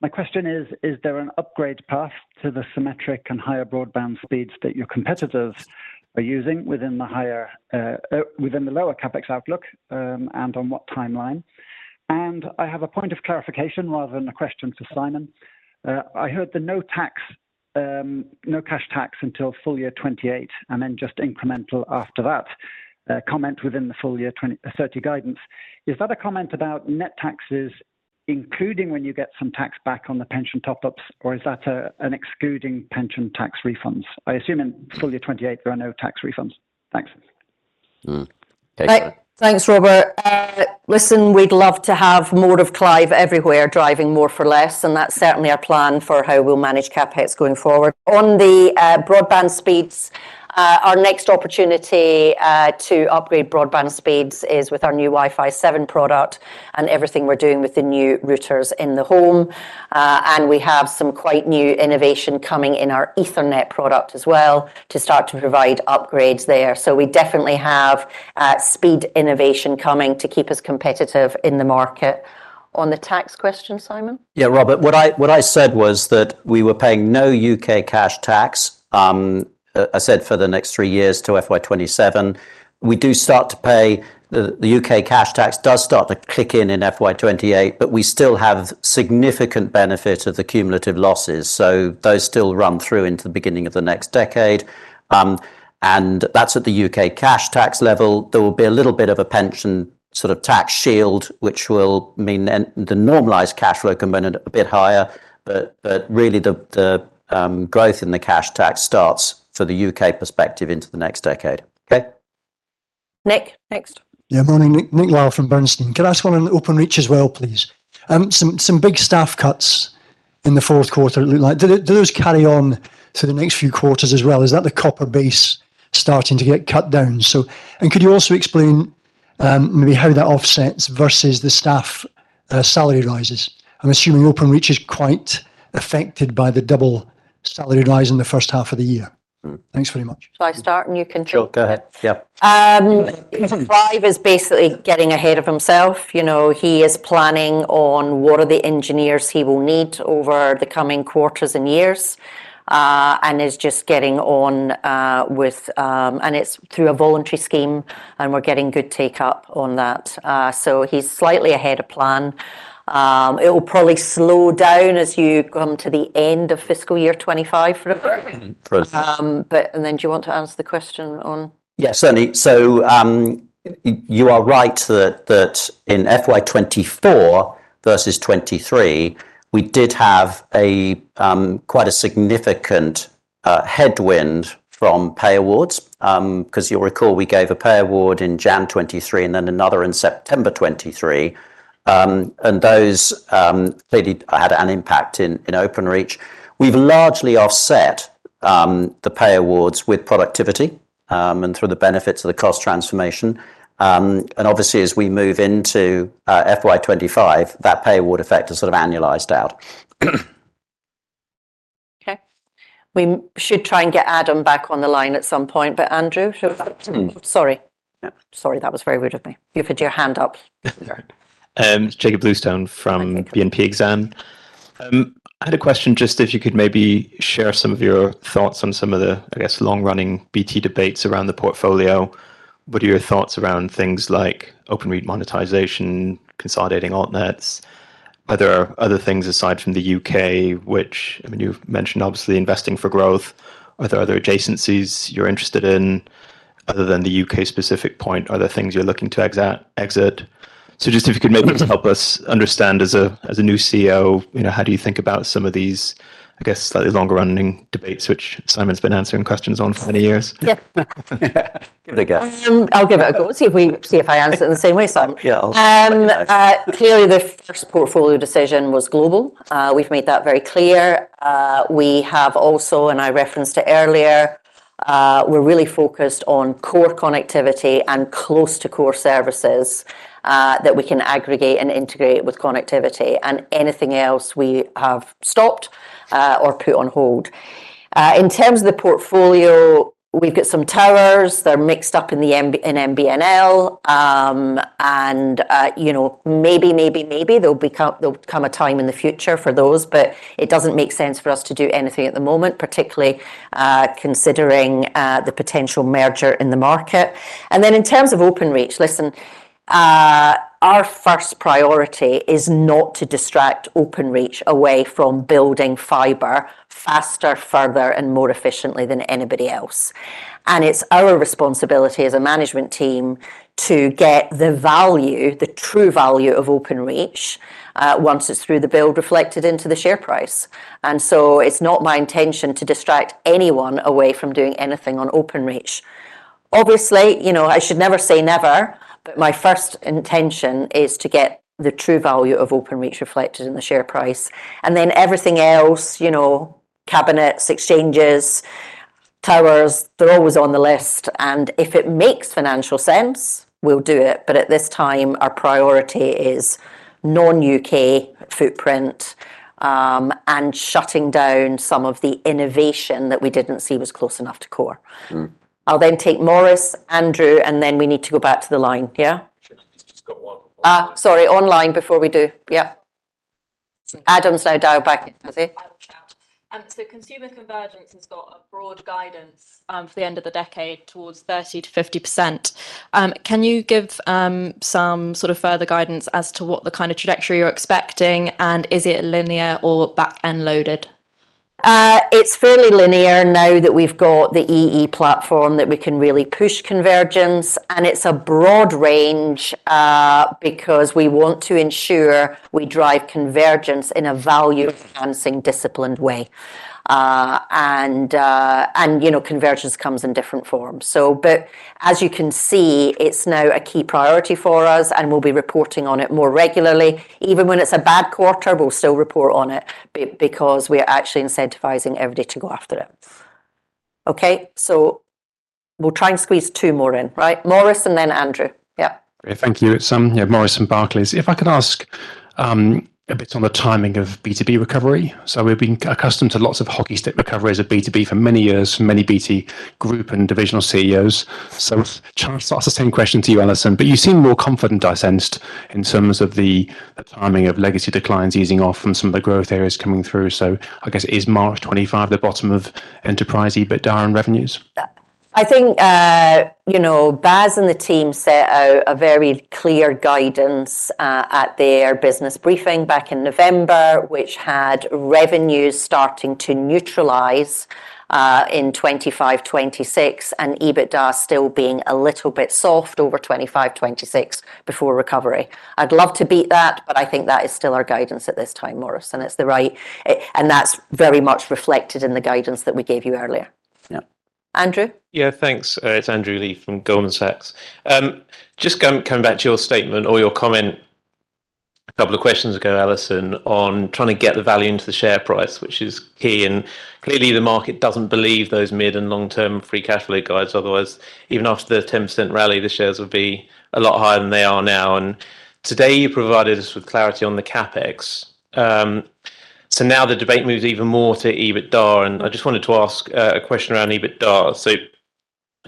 My question is: Is there an upgrade path to the symmetric and higher broadband speeds that your competitors are using within the higher, within the lower CapEx outlook, and on what timeline? And I have a point of clarification rather than a question for Simon. I heard the no tax, no cash tax until full year 2028, and then just incremental after that, comment within the full year 2030 guidance. Is that a comment about net taxes, including when you get some tax back on the pension top-ups, or is that, an excluding pension tax refunds? I assume in full year 2028, there are no tax refunds. Thanks. Mm. Okay- Thanks, Robert. Listen, we'd love to have more of Clive everywhere, driving more for less, and that's certainly our plan for how we'll manage CapEx going forward. On the broadband speeds, our next opportunity to upgrade broadband speeds is with our new Wi-Fi 7 product and everything we're doing with the new routers in the home. And we have some quite new innovation coming in our Ethernet product as well to start to provide upgrades there. So we definitely have speed innovation coming to keep us competitive in the market. On the tax question, Simon? Yeah, Robert, what I, what I said was that we were paying no U.K. cash tax. I said for the next three years to FY 2027. We do start to pay. The U.K. cash tax does start to kick in in FY 2028, but we still have significant benefit of the cumulative losses, so those still run through into the beginning of the next decade. And that's at the U.K. cash tax level. There will be a little bit of a pension sort of tax shield, which will mean then the normalized cash flow component a bit higher, but really, the growth in the cash tax starts for the U.K. perspective into the next decade. Okay? Nick, next. Yeah, morning. Nick Lyle from Bernstein. Can I ask one on Openreach as well, please? Some big staff cuts in the fourth quarter, it looked like. Do those carry on to the next few quarters as well? Is that the copper base starting to get cut down? And could you also explain, maybe how that offsets versus the staff salary rises? I'm assuming Openreach is quite affected by the double salary rise in the first half of the year? Thanks very much. Shall I start, and you can jump? Sure, go ahead. Yeah. Clive is basically getting ahead of himself. You know, he is planning on what are the engineers he will need over the coming quarters and years, and is just getting on with. It's through a voluntary scheme, and we're getting good take-up on that. So he's slightly ahead of plan. It will probably slow down as you come to the end of fiscal year 2025 for a bit. Mm-hmm. But and then do you want to answer the question on- Yeah, certainly. So, you are right that in FY 2024 versus 2023, we did have a quite significant headwind from pay awards. 'Cause you'll recall we gave a pay award in Jan 2023 and then another in September 2023. And those clearly had an impact in Openreach. We've largely offset the pay awards with productivity and through the benefits of the cost transformation. And obviously, as we move into FY 2025, that pay award effect is sort of annualized out. Okay. We should try and get Adam back on the line at some point, but Andrew, should... Mm. Sorry. Sorry, that was very rude of me. You've had your hand up. Jacob Sheridan from BNP Paribas Exane. I had a question, just if you could maybe share some of your thoughts on some of the, I guess, long-running BT debates around the portfolio. What are your thoughts around things like Openreach monetization, consolidating alt nets? Are there other things aside from the UK, which, I mean, you've mentioned, obviously, investing for growth, are there other adjacencies you're interested in other than the UK-specific point? Are there things you're looking to exit? So just if you could maybe help us understand, as a, as a new CEO, you know, how do you think about some of these, I guess, slightly longer-running debates, which Simon's been answering questions on for many years? Yeah. Give it a go. I'll give it a go, see if I answer it in the same way, Simon. Yeah. Clearly, the first portfolio decision was global. We've made that very clear. We have also, and I referenced it earlier, we're really focused on core connectivity and close to core services that we can aggregate and integrate with connectivity, and anything else we have stopped or put on hold. In terms of the portfolio, we've got some towers. They're mixed up in the MBNL, and you know, maybe there'll come a time in the future for those, but it doesn't make sense for us to do anything at the moment, particularly considering the potential merger in the market. And then in terms of Openreach, listen, our first priority is not to distract Openreach away from building fiber faster, further, and more efficiently than anybody else. And it's our responsibility as a management team to get the value, the true value of Openreach, once it's through the build, reflected into the share price. And so it's not my intention to distract anyone away from doing anything on Openreach. Obviously, you know, I should never say never, but my first intention is to get the true value of Openreach reflected in the share price, and then everything else, you know, cabinets, exchanges, towers, they're always on the list, and if it makes financial sense, we'll do it. But at this time, our priority is non-UK footprint, and shutting down some of the innovation that we didn't see was close enough to core. Mm. I'll then take Morris, Andrew, and then we need to go back to the line. Yeah? Sure. He's just got one- Sorry, online before we do. Yeah. Adam, so dial back, is it?... So, consumer convergence has got a broad guidance for the end of the decade, towards 30%-50%. Can you give some sort of further guidance as to what the kind of trajectory you're expecting, and is it linear or back-end loaded? It's fairly linear now that we've got the EE platform that we can really push convergence, and it's a broad range, because we want to ensure we drive convergence in a value-enhancing, disciplined way. And, you know, convergence comes in different forms. But as you can see, it's now a key priority for us, and we'll be reporting on it more regularly. Even when it's a bad quarter, we'll still report on it because we are actually incentivizing everybody to go after it. Okay, we'll try and squeeze two more in, right? Morris and then Andrew. Yeah. Thank you. Yeah, Morris from Barclays. If I could ask a bit on the timing of B2B recovery. So we've been accustomed to lots of hockey stick recoveries at B2B for many years, many BT Group and divisional CEOs. So trying to ask the same question to you, Allison, but you seem more confident, I sensed, in terms of the timing of legacy declines easing off and some of the growth areas coming through. So I guess, is March 2025 the bottom of enterprise EBITDA and revenues? I think, you know, Bas and the team set out a very clear guidance at their business briefing back in November, which had revenues starting to neutralize in 2025, 2026, and EBITDA still being a little bit soft over 2025, 2026 before recovery. I'd love to beat that, but I think that is still our guidance at this time, Morris, and it's the right... and that's very much reflected in the guidance that we gave you earlier. Yeah. Andrew? Yeah, thanks. It's Andrew Lee from Goldman Sachs. Just coming back to your statement or your comment a couple of questions ago, Allison, on trying to get the value into the share price, which is key, and clearly, the market doesn't believe those mid and long-term free cash flow guides, otherwise, even after the 10% rally, the shares would be a lot higher than they are now. And today, you provided us with clarity on the CapEx. So now the debate moves even more to EBITDA, and I just wanted to ask a question around EBITDA.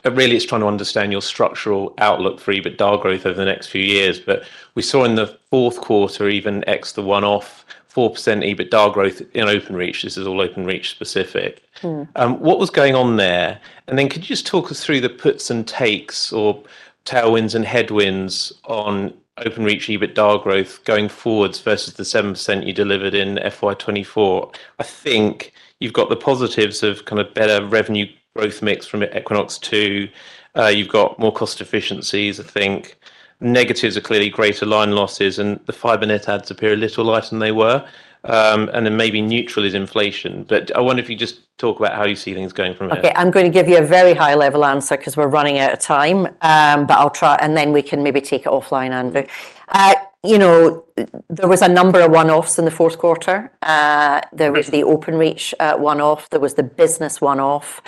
Really, it's trying to understand your structural outlook for EBITDA growth over the next few years. But we saw in the fourth quarter, even X, the one-off 4% EBITDA growth in Openreach. This is all Openreach specific. Mm. What was going on there? And then could you just talk us through the puts and takes or tailwinds and headwinds on Openreach EBITDA growth going forwards versus the 7% you delivered in FY 2024? I think you've got the positives of kind of better revenue growth mix from Equinox 2, you've got more cost efficiencies. I think negatives are clearly greater line losses, and the fiber net adds appear a little less than they were. And then maybe neutral is inflation. But I wonder if you just talk about how you see things going from here. Okay, I'm gonna give you a very high-level answer 'cause we're running out of time. But I'll try, and then we can maybe take it offline, Andrew. You know, there was a number of one-offs in the fourth quarter. There was the Openreach one-off. There was the business one-off.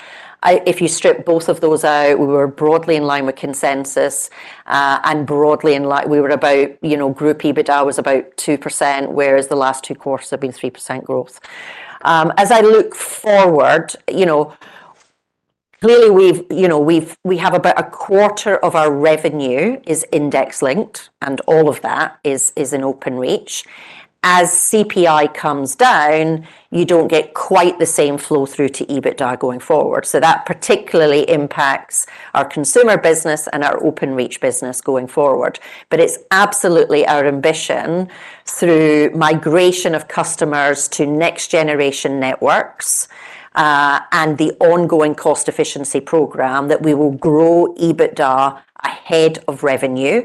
If you strip both of those out, we were broadly in line with consensus, and broadly in line. We were about, you know, group EBITDA was about 2%, whereas the last two quarters have been 3% growth. As I look forward, you know, clearly, we've, you know, we have about a quarter of our revenue is index-linked, and all of that is in Openreach. As CPI comes down, you don't get quite the same flow-through to EBITDA going forward. So that particularly impacts our consumer business and our Openreach business going forward. But it's absolutely our ambition through migration of customers to next-generation networks, and the ongoing cost efficiency program, that we will grow EBITDA ahead of revenue.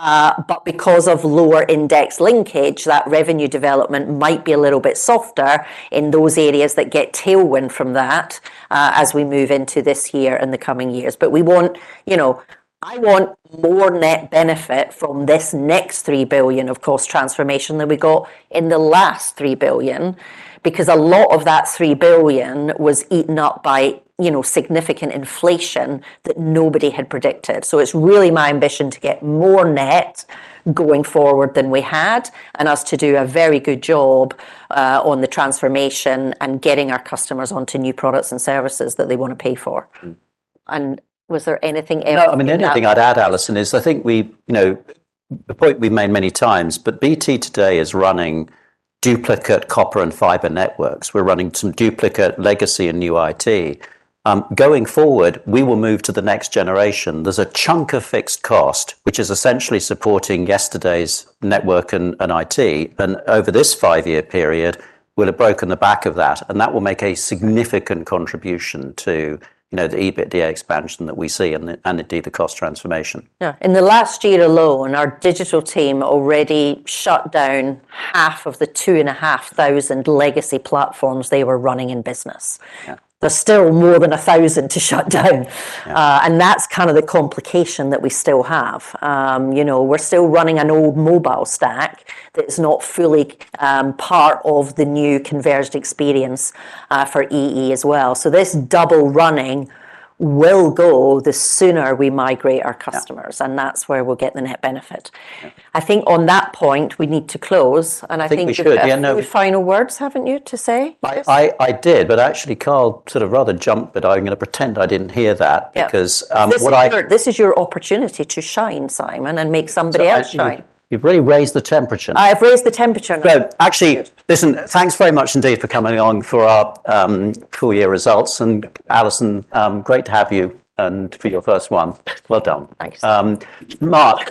But because of lower index linkage, that revenue development might be a little bit softer in those areas that get tailwind from that, as we move into this year and the coming years. But we want... You know, I want more net benefit from this next 3 billion of cost transformation than we got in the last 3 billion, because a lot of that 3 billion was eaten up by, you know, significant inflation that nobody had predicted. So it's really my ambition to get more net going forward than we had, and us to do a very good job, on the transformation and getting our customers onto new products and services that they wanna pay for. Mm. Was there anything else? No, I mean, the only thing I'd add, Allison, is I think we, you know, a point we've made many times, but BT today is running duplicate copper and fiber networks. We're running some duplicate legacy and new IT. Going forward, we will move to the next generation. There's a chunk of fixed cost, which is essentially supporting yesterday's network and, and IT, and over this five-year period, we'll have broken the back of that, and that will make a significant contribution to, you know, the EBITDA expansion that we see and, and indeed, the cost transformation. Yeah. In the last year alone, our digital team already shut down half of the 2,500 legacy platforms they were running in business. Yeah. There's still more than 1,000 to shut down. Yeah. And that's kind of the complication that we still have. You know, we're still running an old mobile stack that's not fully part of the new converged experience for EE as well. So this double running will go the sooner we migrate our customers- Yeah... and that's where we'll get the net benefit. Yeah. I think on that point, we need to close, and I think you- I think we should. Yeah, no- Final words, haven't you, to say? I did, but actually Carl sort of rather jumped, but I'm gonna pretend I didn't hear that- Yeah... because, what I- This is your opportunity to shine, Simon, and make somebody else shine. So actually, you've really raised the temperature. I have raised the temperature. Well, actually, listen, thanks very much indeed for coming on for our full year results, and Allison, great to have you, and for your first one. Well done! Thanks. Um, Mark-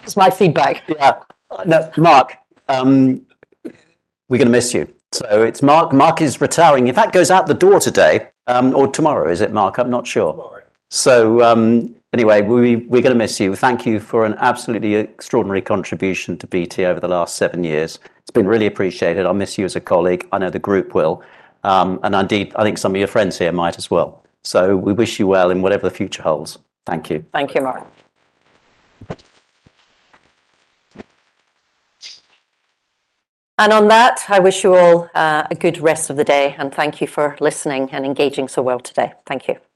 That's my feedback. Yeah. No, Mark, we're gonna miss you. So it's Mark. Mark is retiring. In fact, goes out the door today, or tomorrow, is it, Mark? I'm not sure. Tomorrow. So, anyway, we, we're gonna miss you. Thank you for an absolutely extraordinary contribution to BT over the last seven years. It's been really appreciated. I'll miss you as a colleague. I know the group will. And indeed, I think some of your friends here might as well. So we wish you well in whatever the future holds. Thank you. Thank you, Mark. And on that, I wish you all a good rest of the day, and thank you for listening and engaging so well today. Thank you.